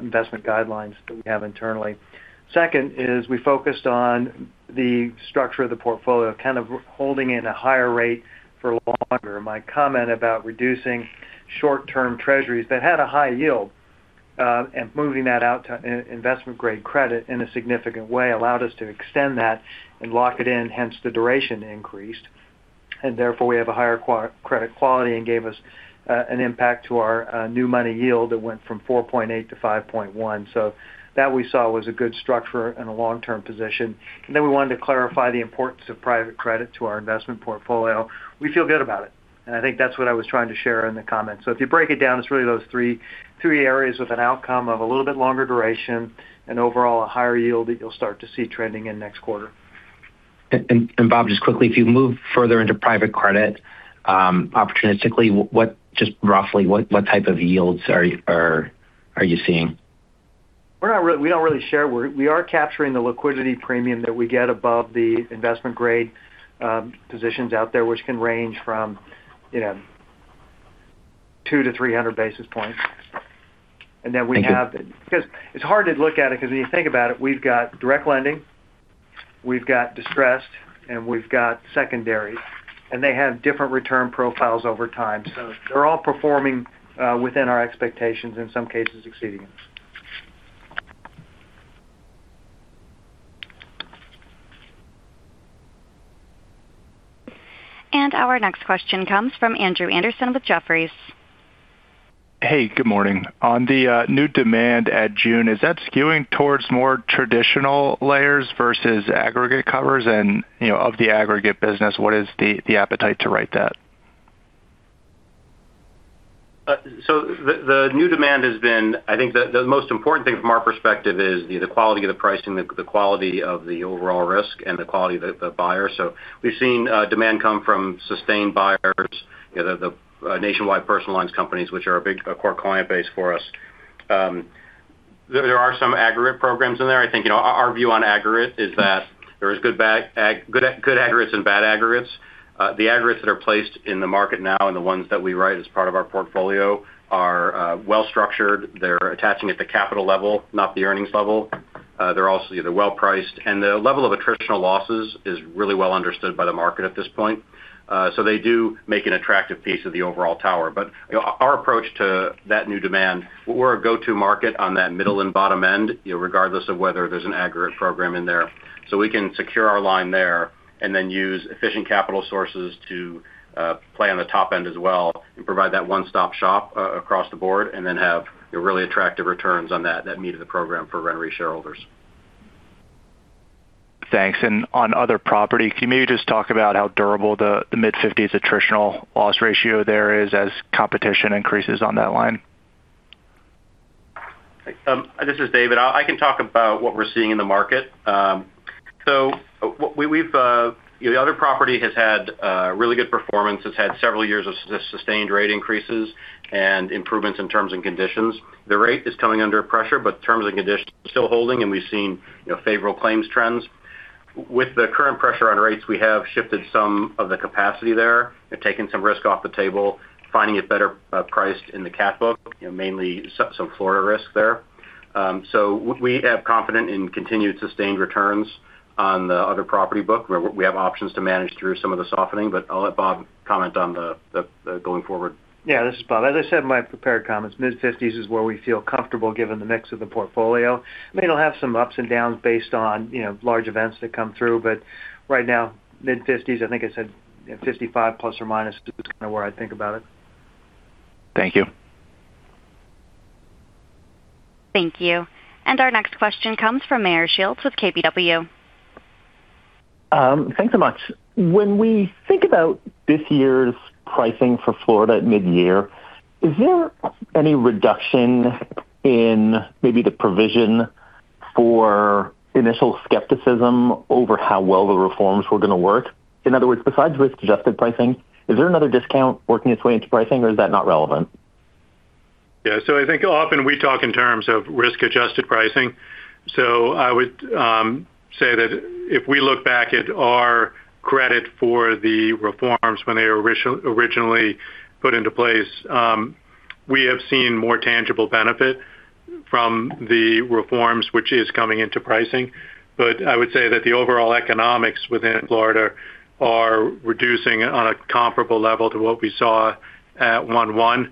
investment guidelines that we have internally. Second is we focused on the structure of the portfolio, kind of holding in a higher rate for longer. My comment about reducing short-term treasuries that had a high yield, and moving that out to investment-grade credit in a significant way allowed us to extend that and lock it in, hence the duration increased. Therefore, we have a higher credit quality and gave us an impact to our new money yield that went from 4.8% to 5.1%. That we saw was a good structure and a long-term position. Then we wanted to clarify the importance of private credit to our investment portfolio. We feel good about it, and I think that's what I was trying to share in the comments. If you break it down, it's really those three areas with an outcome of a little bit longer duration and overall a higher yield that you'll start to see trending in next quarter. Bob, just quickly, if you move further into private credit, opportunistically, what, just roughly, what type of yields are you seeing? We don't really share. We are capturing the liquidity premium that we get above the investment grade positions out there, which can range from, you know, 200-300 basis points. Then we have. Thank you. Because it's hard to look at it because when you think about it, we've got direct lending, we've got distressed, and we've got secondary, and they have different return profiles over time. They're all performing within our expectations, in some cases exceeding them. Our next question comes from Andrew Andersen with Jefferies. Hey, good morning. On the new demand at June, is that skewing towards more traditional layers versus aggregate covers? You know, of the aggregate business, what is the appetite to write that? The new demand has been. I think the most important thing from our perspective is the quality of the pricing, the quality of the overall risk, and the quality of the buyer. We've seen demand come from sustained buyers, you know, the Nationwide personal lines companies, which are a core client base for us. There are some aggregate programs in there. I think, you know, our view on aggregate is that there is good aggregates and bad aggregates. The aggregates that are placed in the market now and the ones that we write as part of our portfolio are well-structured. They're attaching at the capital level, not the earnings level. They're also either well-priced, and the level of attritional losses is really well understood by the market at this point. They do make an attractive piece of the overall tower. You know, our approach to that new demand, we're a go-to market on that middle and bottom end, you know, regardless of whether there's an aggregate program in there. We can secure our line there and then use efficient capital sources to play on the top end as well and provide that one-stop shop across the board and then have really attractive returns on that meet the program for RenRe shareholders. Thanks. On the Other Property, can you maybe just talk about how durable the mid-50s attritional loss ratio there is as competition increases on that line? This is David. I can talk about what we're seeing in the market. You know, the Other Property has had really good performance. It's had several years of sustained rate increases and improvements in terms and conditions. The rate is coming under pressure, terms and conditions still holding, we've seen, you know, favorable claims trends. With the current pressure on rates, we have shifted some of the capacity there and taken some risk off the table, finding it better priced in the cat book, you know, mainly some Florida risk there. We have confident in continued sustained returns on the other property book, where we have options to manage through some of the softening. I'll let Bob comment on the going forward. Yeah, this is Bob. As I said in my prepared comments, mid-50s where we feel comfortable given the mix of the portfolio. I mean, it'll have some ups and downs based on, you know, large events that come through, but right now, mid-50s, I think I said, you know, 55% ± is kinda where I'd think about it. Thank you. Thank you. Our next question comes from Meyer Shields with KBW. Thanks so much. When we think about this year's pricing for Florida at midyear, is there any reduction in maybe the provision for initial skepticism over how well the reforms were gonna work? In other words, besides risk-adjusted pricing, is there another discount working its way into pricing, or is that not relevant? Yeah. I think often we talk in terms of risk-adjusted pricing. I would say that if we look back at our credit for the reforms when they originally put into place, we have seen more tangible benefit from the reforms which is coming into pricing. I would say that the overall economics within Florida are reducing on a comparable level to what we saw at 1/1,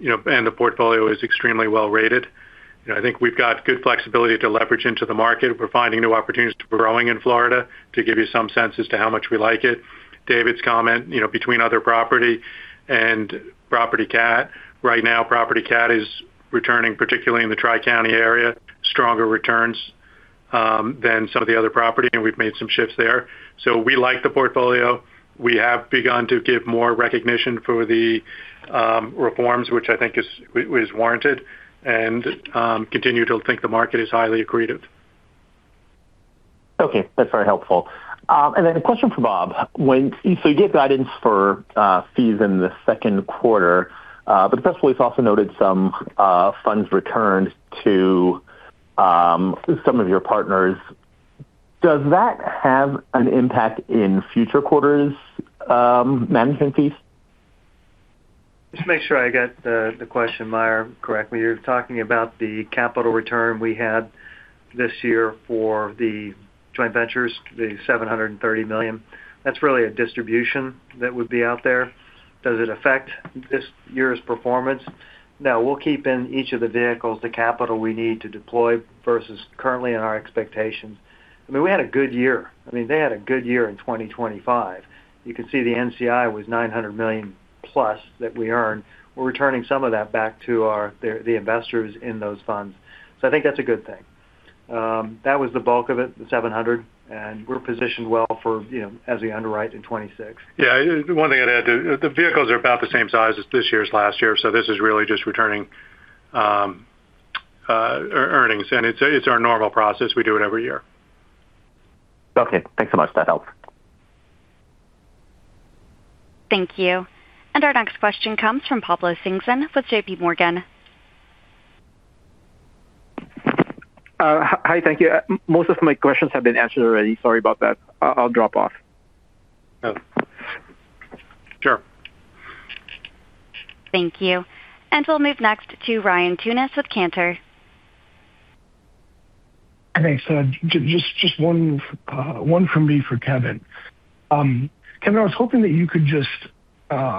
you know, and the portfolio is extremely well rated. You know, I think we've got good flexibility to leverage into the market. We're finding new opportunities to growing in Florida to give you some sense as to how much we like it. David's comment, you know, between other property and property cat. Right now, property cat is returning, particularly in the Tri-County area, stronger returns than some of the other property, and we've made some shifts there. We like the portfolio. We have begun to give more recognition for the reforms, which I think is warranted, and continue to think the market is highly accretive. Okay. That's very helpful. A question for Bob. You gave guidance for fees in the second quarter, but the press release also noted some funds returned to some of your partners. Does that have an impact in future quarters' management fees? Just to make sure I get the question, Meyer, correctly. You're talking about the capital return we had this year for the joint ventures, the $730 million. That's really a distribution that would be out there. Does it affect this year's performance? No, we'll keep in each of the vehicles the capital we need to deploy versus currently in our expectations. I mean, we had a good year. I mean, they had a good year in 2025. You could see the NCI was $900 million+ that we earned. We're returning some of that back to the investors in those funds. I think that's a good thing. That was the bulk of it, the $700 million, and we're positioned well for, you know, as we underwrite in 2026. Yeah. One thing I'd add to, the vehicles are about the same size as this year's last year. This is really just returning earnings. It's our normal process. We do it every year. Okay. Thanks so much. That helps. Thank you. Our next question comes from Pablo Singzon with JPMorgan Chase & Co. Hi. Thank you. Most of my questions have been answered already. Sorry about that. I'll drop off. Sure. Thank you. We'll move next to Ryan Tunis with Cantor Fitzgerald. Thanks. Just one from me for Kevin. Kevin, I was hoping that you could just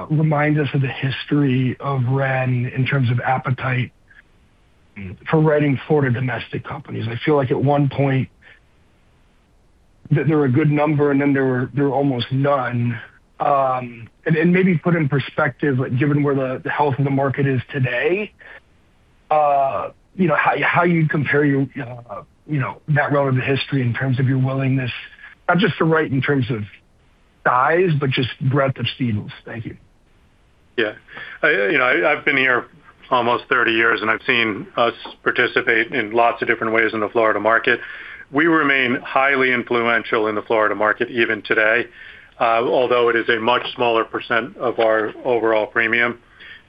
remind us of the history of RenRe in terms of appetite for writing Florida domestic companies. I feel like at one point that there were a good number, and then there were almost none. Maybe put in perspective, given where the health of the market is today, you know, how you compare your, you know, that relevant history in terms of your willingness just to write in terms of Size, but just breadth of cedants. Thank you. Yeah. I, you know, I've been here almost 30 years. I've seen us participate in lots of different ways in the Florida market. We remain highly influential in the Florida market even today, although it is a much smaller percent of our overall premium.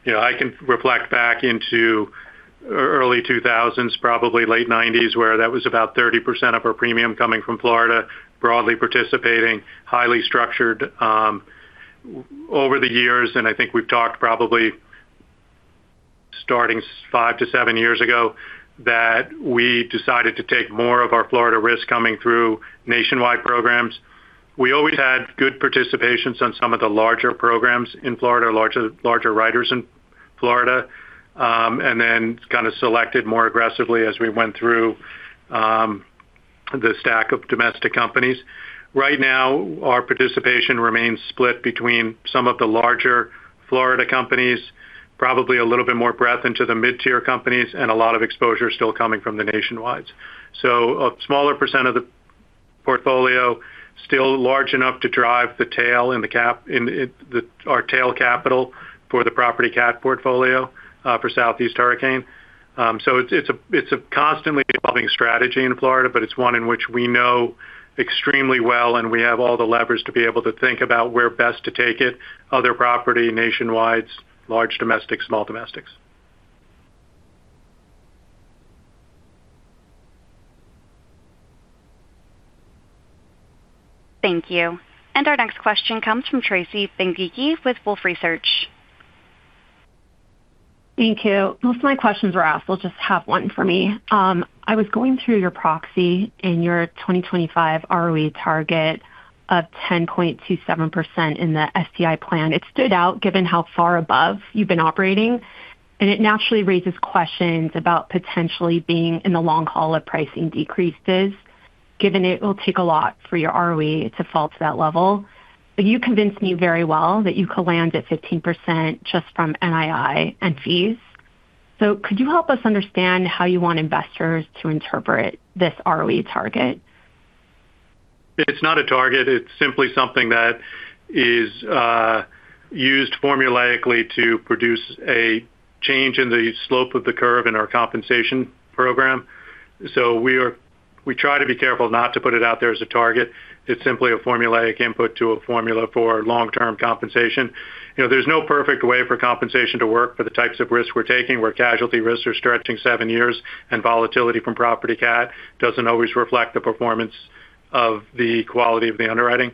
You know, I can reflect back into early 2000s, probably late 1990s, where that was about 30% of our premium coming from Florida, broadly participating, highly structured. Over the years, I think we've talked probably starting five to seven years ago, that we decided to take more of our Florida risk coming through nationwide programs. We always had good participations on some of the larger programs in Florida, larger writers in Florida. Kinda selected more aggressively as we went through the stack of domestic companies. Right now, our participation remains split between some of the larger Florida companies, probably a little bit more breadth into the mid-tier companies, and a lot of exposure still coming from the nationwides. A smaller % of the portfolio still large enough to drive the tail and the cat in our tail capital for the property cat portfolio for Southeast Hurricane. It's a constantly evolving strategy in Florida, but it's one in which we know extremely well, and we have all the levers to be able to think about where best to take it, other property nationwides, large domestic, small domestics. Thank you. Our next question comes from Tracy Benguigui with Wolfe Research. Thank you. Most of my questions were asked. I'll just have one for me. I was going through your proxy and your 2025 ROE target of 10.27% in the LTIP plan. It stood out given how far above you've been operating, and it naturally raises questions about potentially being in the long haul of pricing decreases, given it will take a lot for your ROE to fall to that level. You convinced me very well that you could land at 15% just from NII and fees. Could you help us understand how you want investors to interpret this ROE target? It's not a target. It's simply something that is used formulaically to produce a change in the slope of the curve in our compensation program. We try to be careful not to put it out there as a target. It's simply a formulaic input to a formula for long-term compensation. You know, there's no perfect way for compensation to work for the types of risks we're taking, where casualty risks are stretching seven years, and volatility from property cat doesn't always reflect the performance of the quality of the underwriting.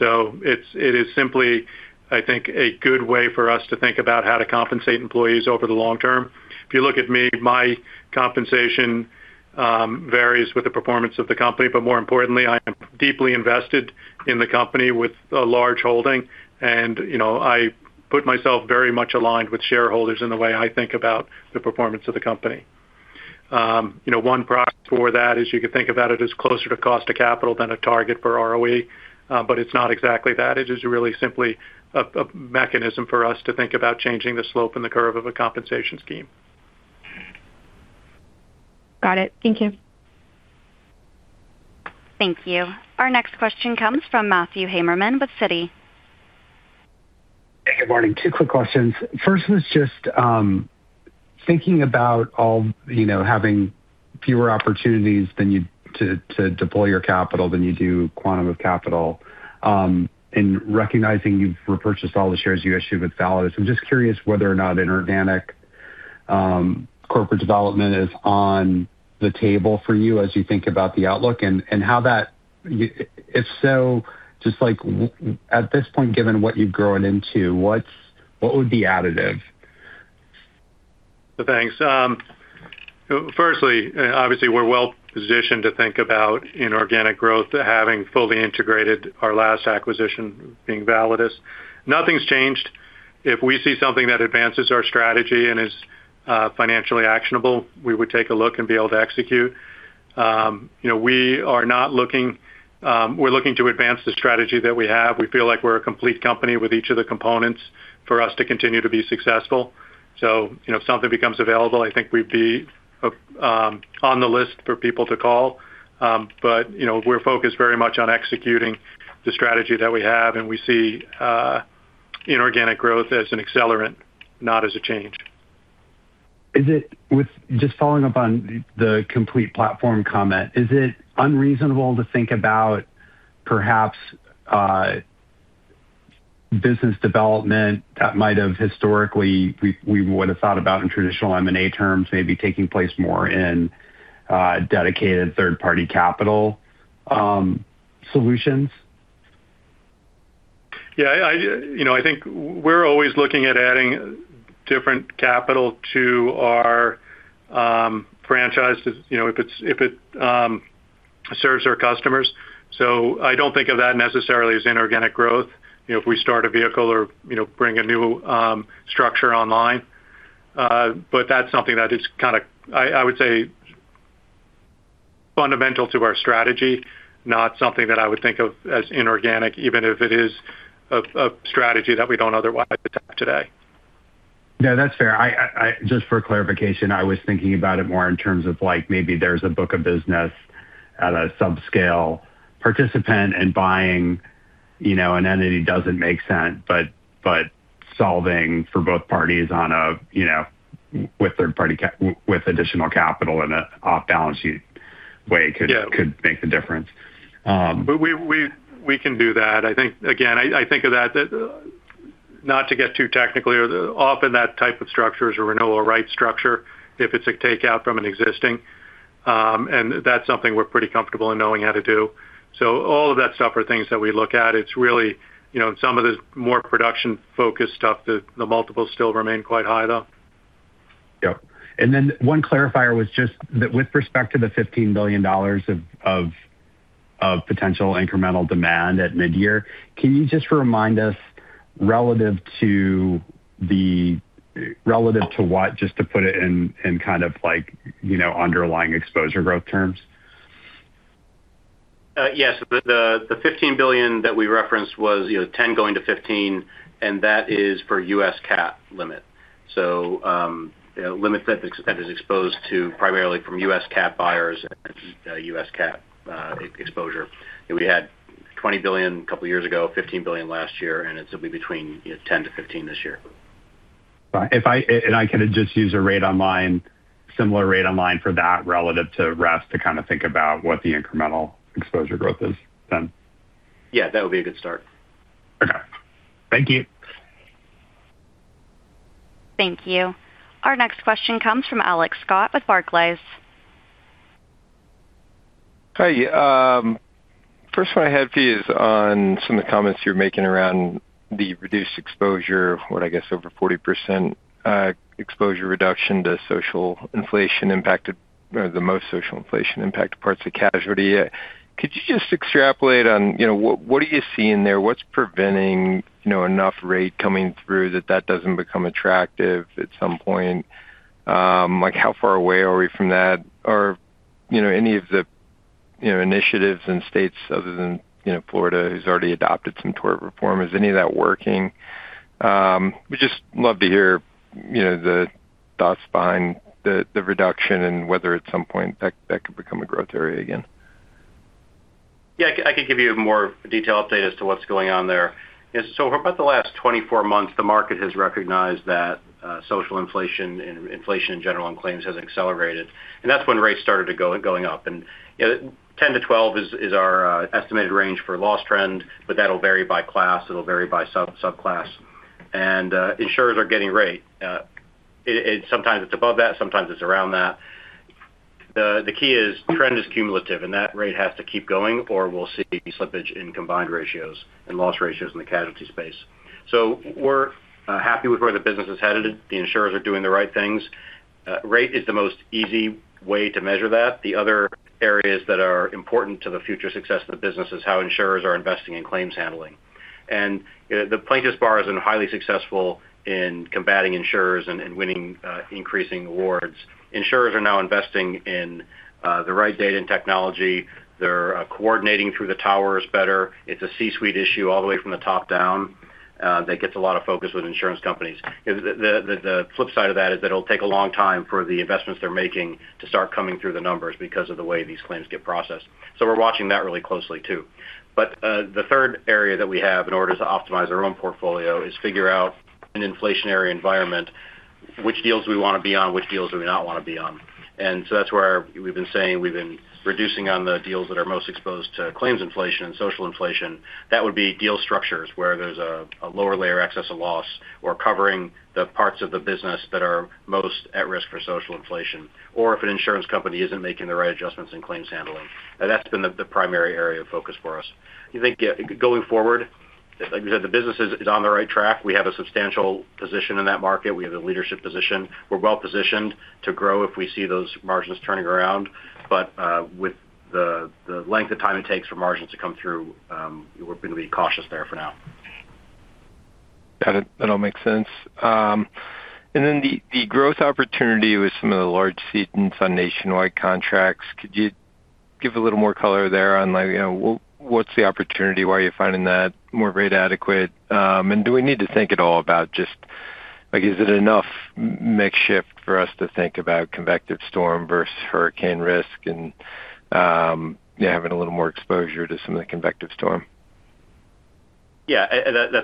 It is simply, I think, a good way for us to think about how to compensate employees over the long term. If you look at me, my compensation varies with the performance of the company, more importantly, I am deeply invested in the company with a large holding. You know, I put myself very much aligned with shareholders in the way I think about the performance of the company. You know, one proxy for that is you could think about it as closer to cost of capital than a target for ROE, but it's not exactly that. It is really simply a mechanism for us to think about changing the slope and the curve of a compensation scheme. Got it. Thank you. Thank you. Our next question comes from Matthew Heimermann with Citi. Hey, good morning. Two quick questions. First was just, thinking about all, you know, having fewer opportunities than you to deploy your capital than you do quantum of capital, and recognizing you've repurchased all the shares you issued with Validus Re. I'm just curious whether or not inorganic corporate development is on the table for you as you think about the outlook and how that if so, just like at this point, given what you've grown into, what would be additive? Thanks. Firstly, obviously we're well-positioned to think about inorganic growth, having fully integrated our last acquisition being Validus Re. Nothing's changed. If we see something that advances our strategy and is financially actionable, we would take a look and be able to execute. You know, we're looking to advance the strategy that we have. We feel like we're a complete company with each of the components for us to continue to be successful. You know, if something becomes available, I think we'd be on the list for people to call. You know, we're focused very much on executing the strategy that we have, and we see inorganic growth as an accelerant, not as a change. Just following up on the complete platform comment, is it unreasonable to think about perhaps, business development that might have historically we would have thought about in traditional M&A terms maybe taking place more in dedicated third-party capital solutions? I, you know, I think we're always looking at adding different capital to our franchise, you know, if it serves our customers. I don't think of that necessarily as inorganic growth, you know, if we start a vehicle or, you know, bring a new structure online. That's something that is kinda, I would say fundamental to our strategy, not something that I would think of as inorganic, even if it is a strategy that we don't otherwise attack today. No, that's fair. I, just for clarification, I was thinking about it more in terms of like maybe there's a book of business at a subscale participant and buying, you know, an entity doesn't make sense, but solving for both parties on a, you know, with additional capital in an off-balance sheet way could. Yeah could make the difference. We can do that. I think, again, I think of that not to get too technical here. Often that type of structure is a renewal right structure if it's a takeout from an existing, and that's something we're pretty comfortable in knowing how to do. All of that stuff are things that we look at. It's really, you know, in some of the more production-focused stuff, the multiples still remain quite high, though. Yep. Then one clarifier was just that with respect to the $15 billion of potential incremental demand at mid-year, can you just remind us relative to what, just to put it in kind of like, you know, underlying exposure growth terms? Yes. The $15 billion that we referenced was, you know, $10 billion-$15 billion, and that is for U.S. cat limit. You know, limit that the company is exposed to primarily from U.S. cat buyers and U.S. cat exposure. You know, we had $20 billion a couple of years ago, $15 billion last year, and it'll be between, you know, $10 billion-$15 billion this year. I could just use a rate on line, similar rate on line for that relative to the rest to kind of think about what the incremental exposure growth is then. Yeah. That would be a good start. Okay. Thank you. Thank you. Our next question comes from Alex Scott with Barclays. Hi. First one I had for you is on some of the comments you're making around the reduced exposure, what I guess over 40% exposure reduction to social inflation impacted or the most social inflation impacted parts of casualty. Could you just extrapolate on, you know, what are you seeing there? What's preventing, you know, enough rate coming through that that doesn't become attractive at some point? Like, how far away are we from that? Or, you know, any of the, you know, initiatives in states other than, you know, Florida, who's already adopted some tort reform. Is any of that working? Would just love to hear, you know, the thoughts behind the reduction and whether at some point that could become a growth area again. I could give you a more detailed update as to what's going on there. For about the last 24 months, the market has recognized that social inflation and inflation in general and claims has accelerated, and that's when rates started to go up. You know, 10%-12% is our estimated range for loss trend, but that'll vary by class, it'll vary by sub-subclass. Insurers are getting rate. Sometimes it's above that, sometimes it's around that. The key is trend is cumulative, and that rate has to keep going or we'll see slippage in combined ratios and loss ratios in the casualty space. We're happy with where the business is headed. The insurers are doing the right things. Rate is the most easy way to measure that. The other areas that are important to the future success of the business is how insurers are investing in claims handling. You know, the plaintiff's bar has been highly successful in combating insurers and winning increasing awards. Insurers are now investing in the right data and technology. They're coordinating through the towers better. It's a C-suite issue all the way from the top down that gets a lot of focus with insurance companies. You know, the flip side of that is it'll take a long time for the investments they're making to start coming through the numbers because of the way these claims get processed. We're watching that really closely too. The third area that we have in order to optimize our own portfolio is figure out an inflationary environment, which deals we wanna be on, which deals do we not wanna be on. That's where we've been saying we've been reducing on the deals that are most exposed to claims inflation and social inflation. That would be deal structures where there's a lower layer excess of loss or covering the parts of the business that are most at risk for social inflation, or if an insurance company isn't making the right adjustments in claims handling. That's been the primary area of focus for us. I think, going forward, like we said, the business is on the right track. We have a substantial position in that market. We have a leadership position. We're well-positioned to grow if we see those margins turning around. With the length of time it takes for margins to come through, we're gonna be cautious there for now. Got it. That all makes sense. Then the growth opportunity with some of the large cedents on nationwide contracts, could you give a little more color there on like, you know, what's the opportunity? Why are you finding that more rate adequate? Do we need to think at all about just like, is it enough makeshift for us to think about convective storm versus hurricane risk and, yeah, having a little more exposure to some of the convective storm? That's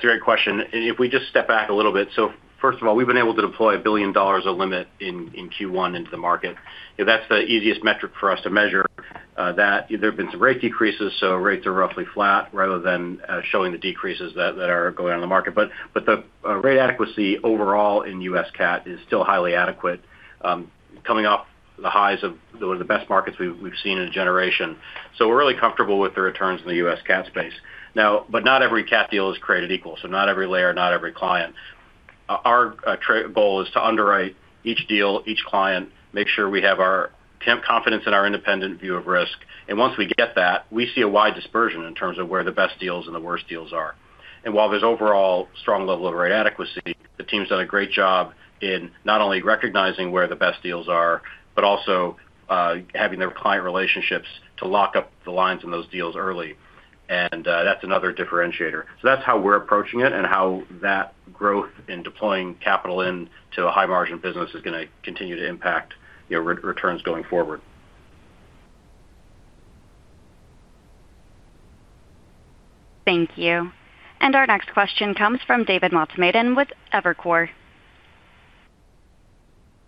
a great question. If we just step back a little bit. First of all, we've been able to deploy $1 billion of limit in Q1 into the market. You know, that's the easiest metric for us to measure, that there have been some rate decreases, rates are roughly flat rather than showing the decreases that are going on in the market. But the rate adequacy overall in U.S. cat is still highly adequate, coming off the highs of the best markets we've seen in a generation. We're really comfortable with the returns in the U.S. cat space. Now not every cat deal is created equal, not every layer, not every client. Our goal is to underwrite each deal, each client, make sure we have our firm confidence in our independent view of risk. Once we get that, we see a wide dispersion in terms of where the best deals and the worst deals are. While there's overall strong level of rate adequacy, the team's done a great job in not only recognizing where the best deals are, but also having the client relationships to lock up the lines on those deals early. That's another differentiator. That's how we're approaching it and how that growth in deploying capital into a high margin business is gonna continue to impact, you know, returns going forward. Thank you. Our next question comes from David Motemaden with Evercore.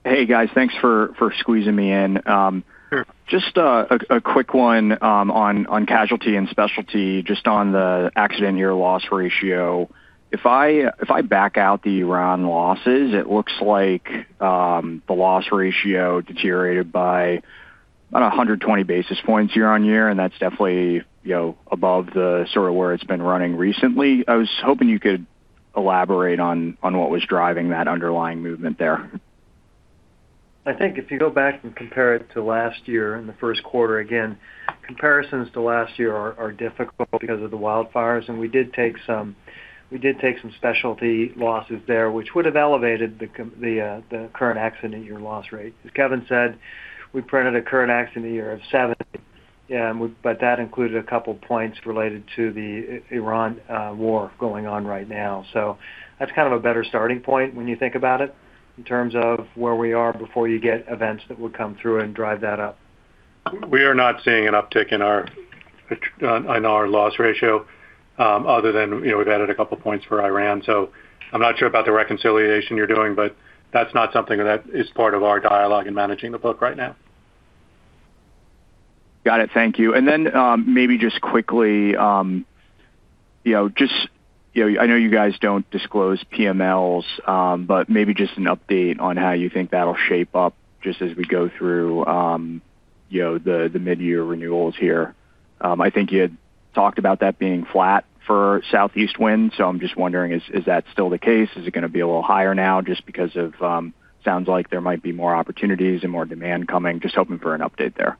Hey guys, thanks for squeezing me in. Sure. Just a quick one on Casualty and Specialty, just on the accident year loss ratio. If I back out the Iran losses, it looks like the loss ratio deteriorated by about 120 basis points year-on-year. That's definitely, you know, above the sort of where it's been running recently. I was hoping you could elaborate on what was driving that underlying movement there. I think if you go back and compare it to last year in the first quarter, again, comparisons to last year are difficult because of the wildfires, and we did take some specialty losses there, which would have elevated the current accident year loss rate. As Kevin said, we printed a current accident year of 7, yeah, but that included 2 points related to the Iran war going on right now. That's kind of a better starting point when you think about it in terms of where we are before you get events that would come through and drive that up. We are not seeing an uptick in our in our loss ratio, other than, you know, we've added two points for Iran. I'm not sure about the reconciliation you're doing, but that's not something that is part of our dialogue in managing the book right now. Got it. Thank you. Maybe just quickly, just I know you guys don't disclose PMLs, but maybe just an update on how you think that'll shape up just as we go through the mid-year renewals here. I think you had talked about that being flat for Southeast Hurricane, is that still the case? Is it gonna be a little higher now just because of, sounds like there might be more opportunities and more demand coming. Just hoping for an update there.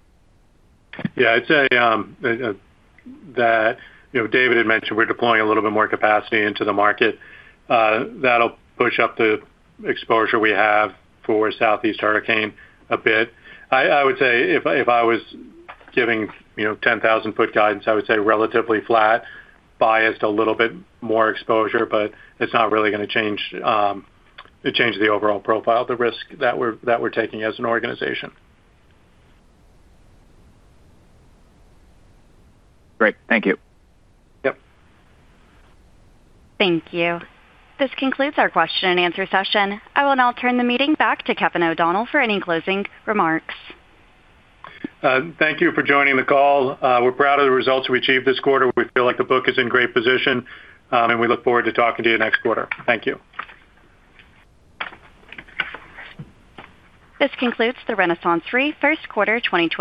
Yeah. I'd say, that, you know, David had mentioned we're deploying a little bit more capacity into the market. That'll push up the exposure we have for Southeast Hurricane a bit. I would say if I was giving, you know, 10,000-foot guidance, I would say relatively flat, biased a little bit more exposure, but it's not really gonna change the overall profile of the risk that we're, that we're taking as an organization. Great. Thank you. Yep. Thank you. This concludes our question and answer session. I will now turn the meeting back to Kevin O'Donnell for any closing remarks. Thank you for joining the call. We're proud of the results we achieved this quarter. We feel like the book is in great position, and we look forward to talking to you next quarter. Thank you. This concludes the RenaissanceRe first quarter 2026.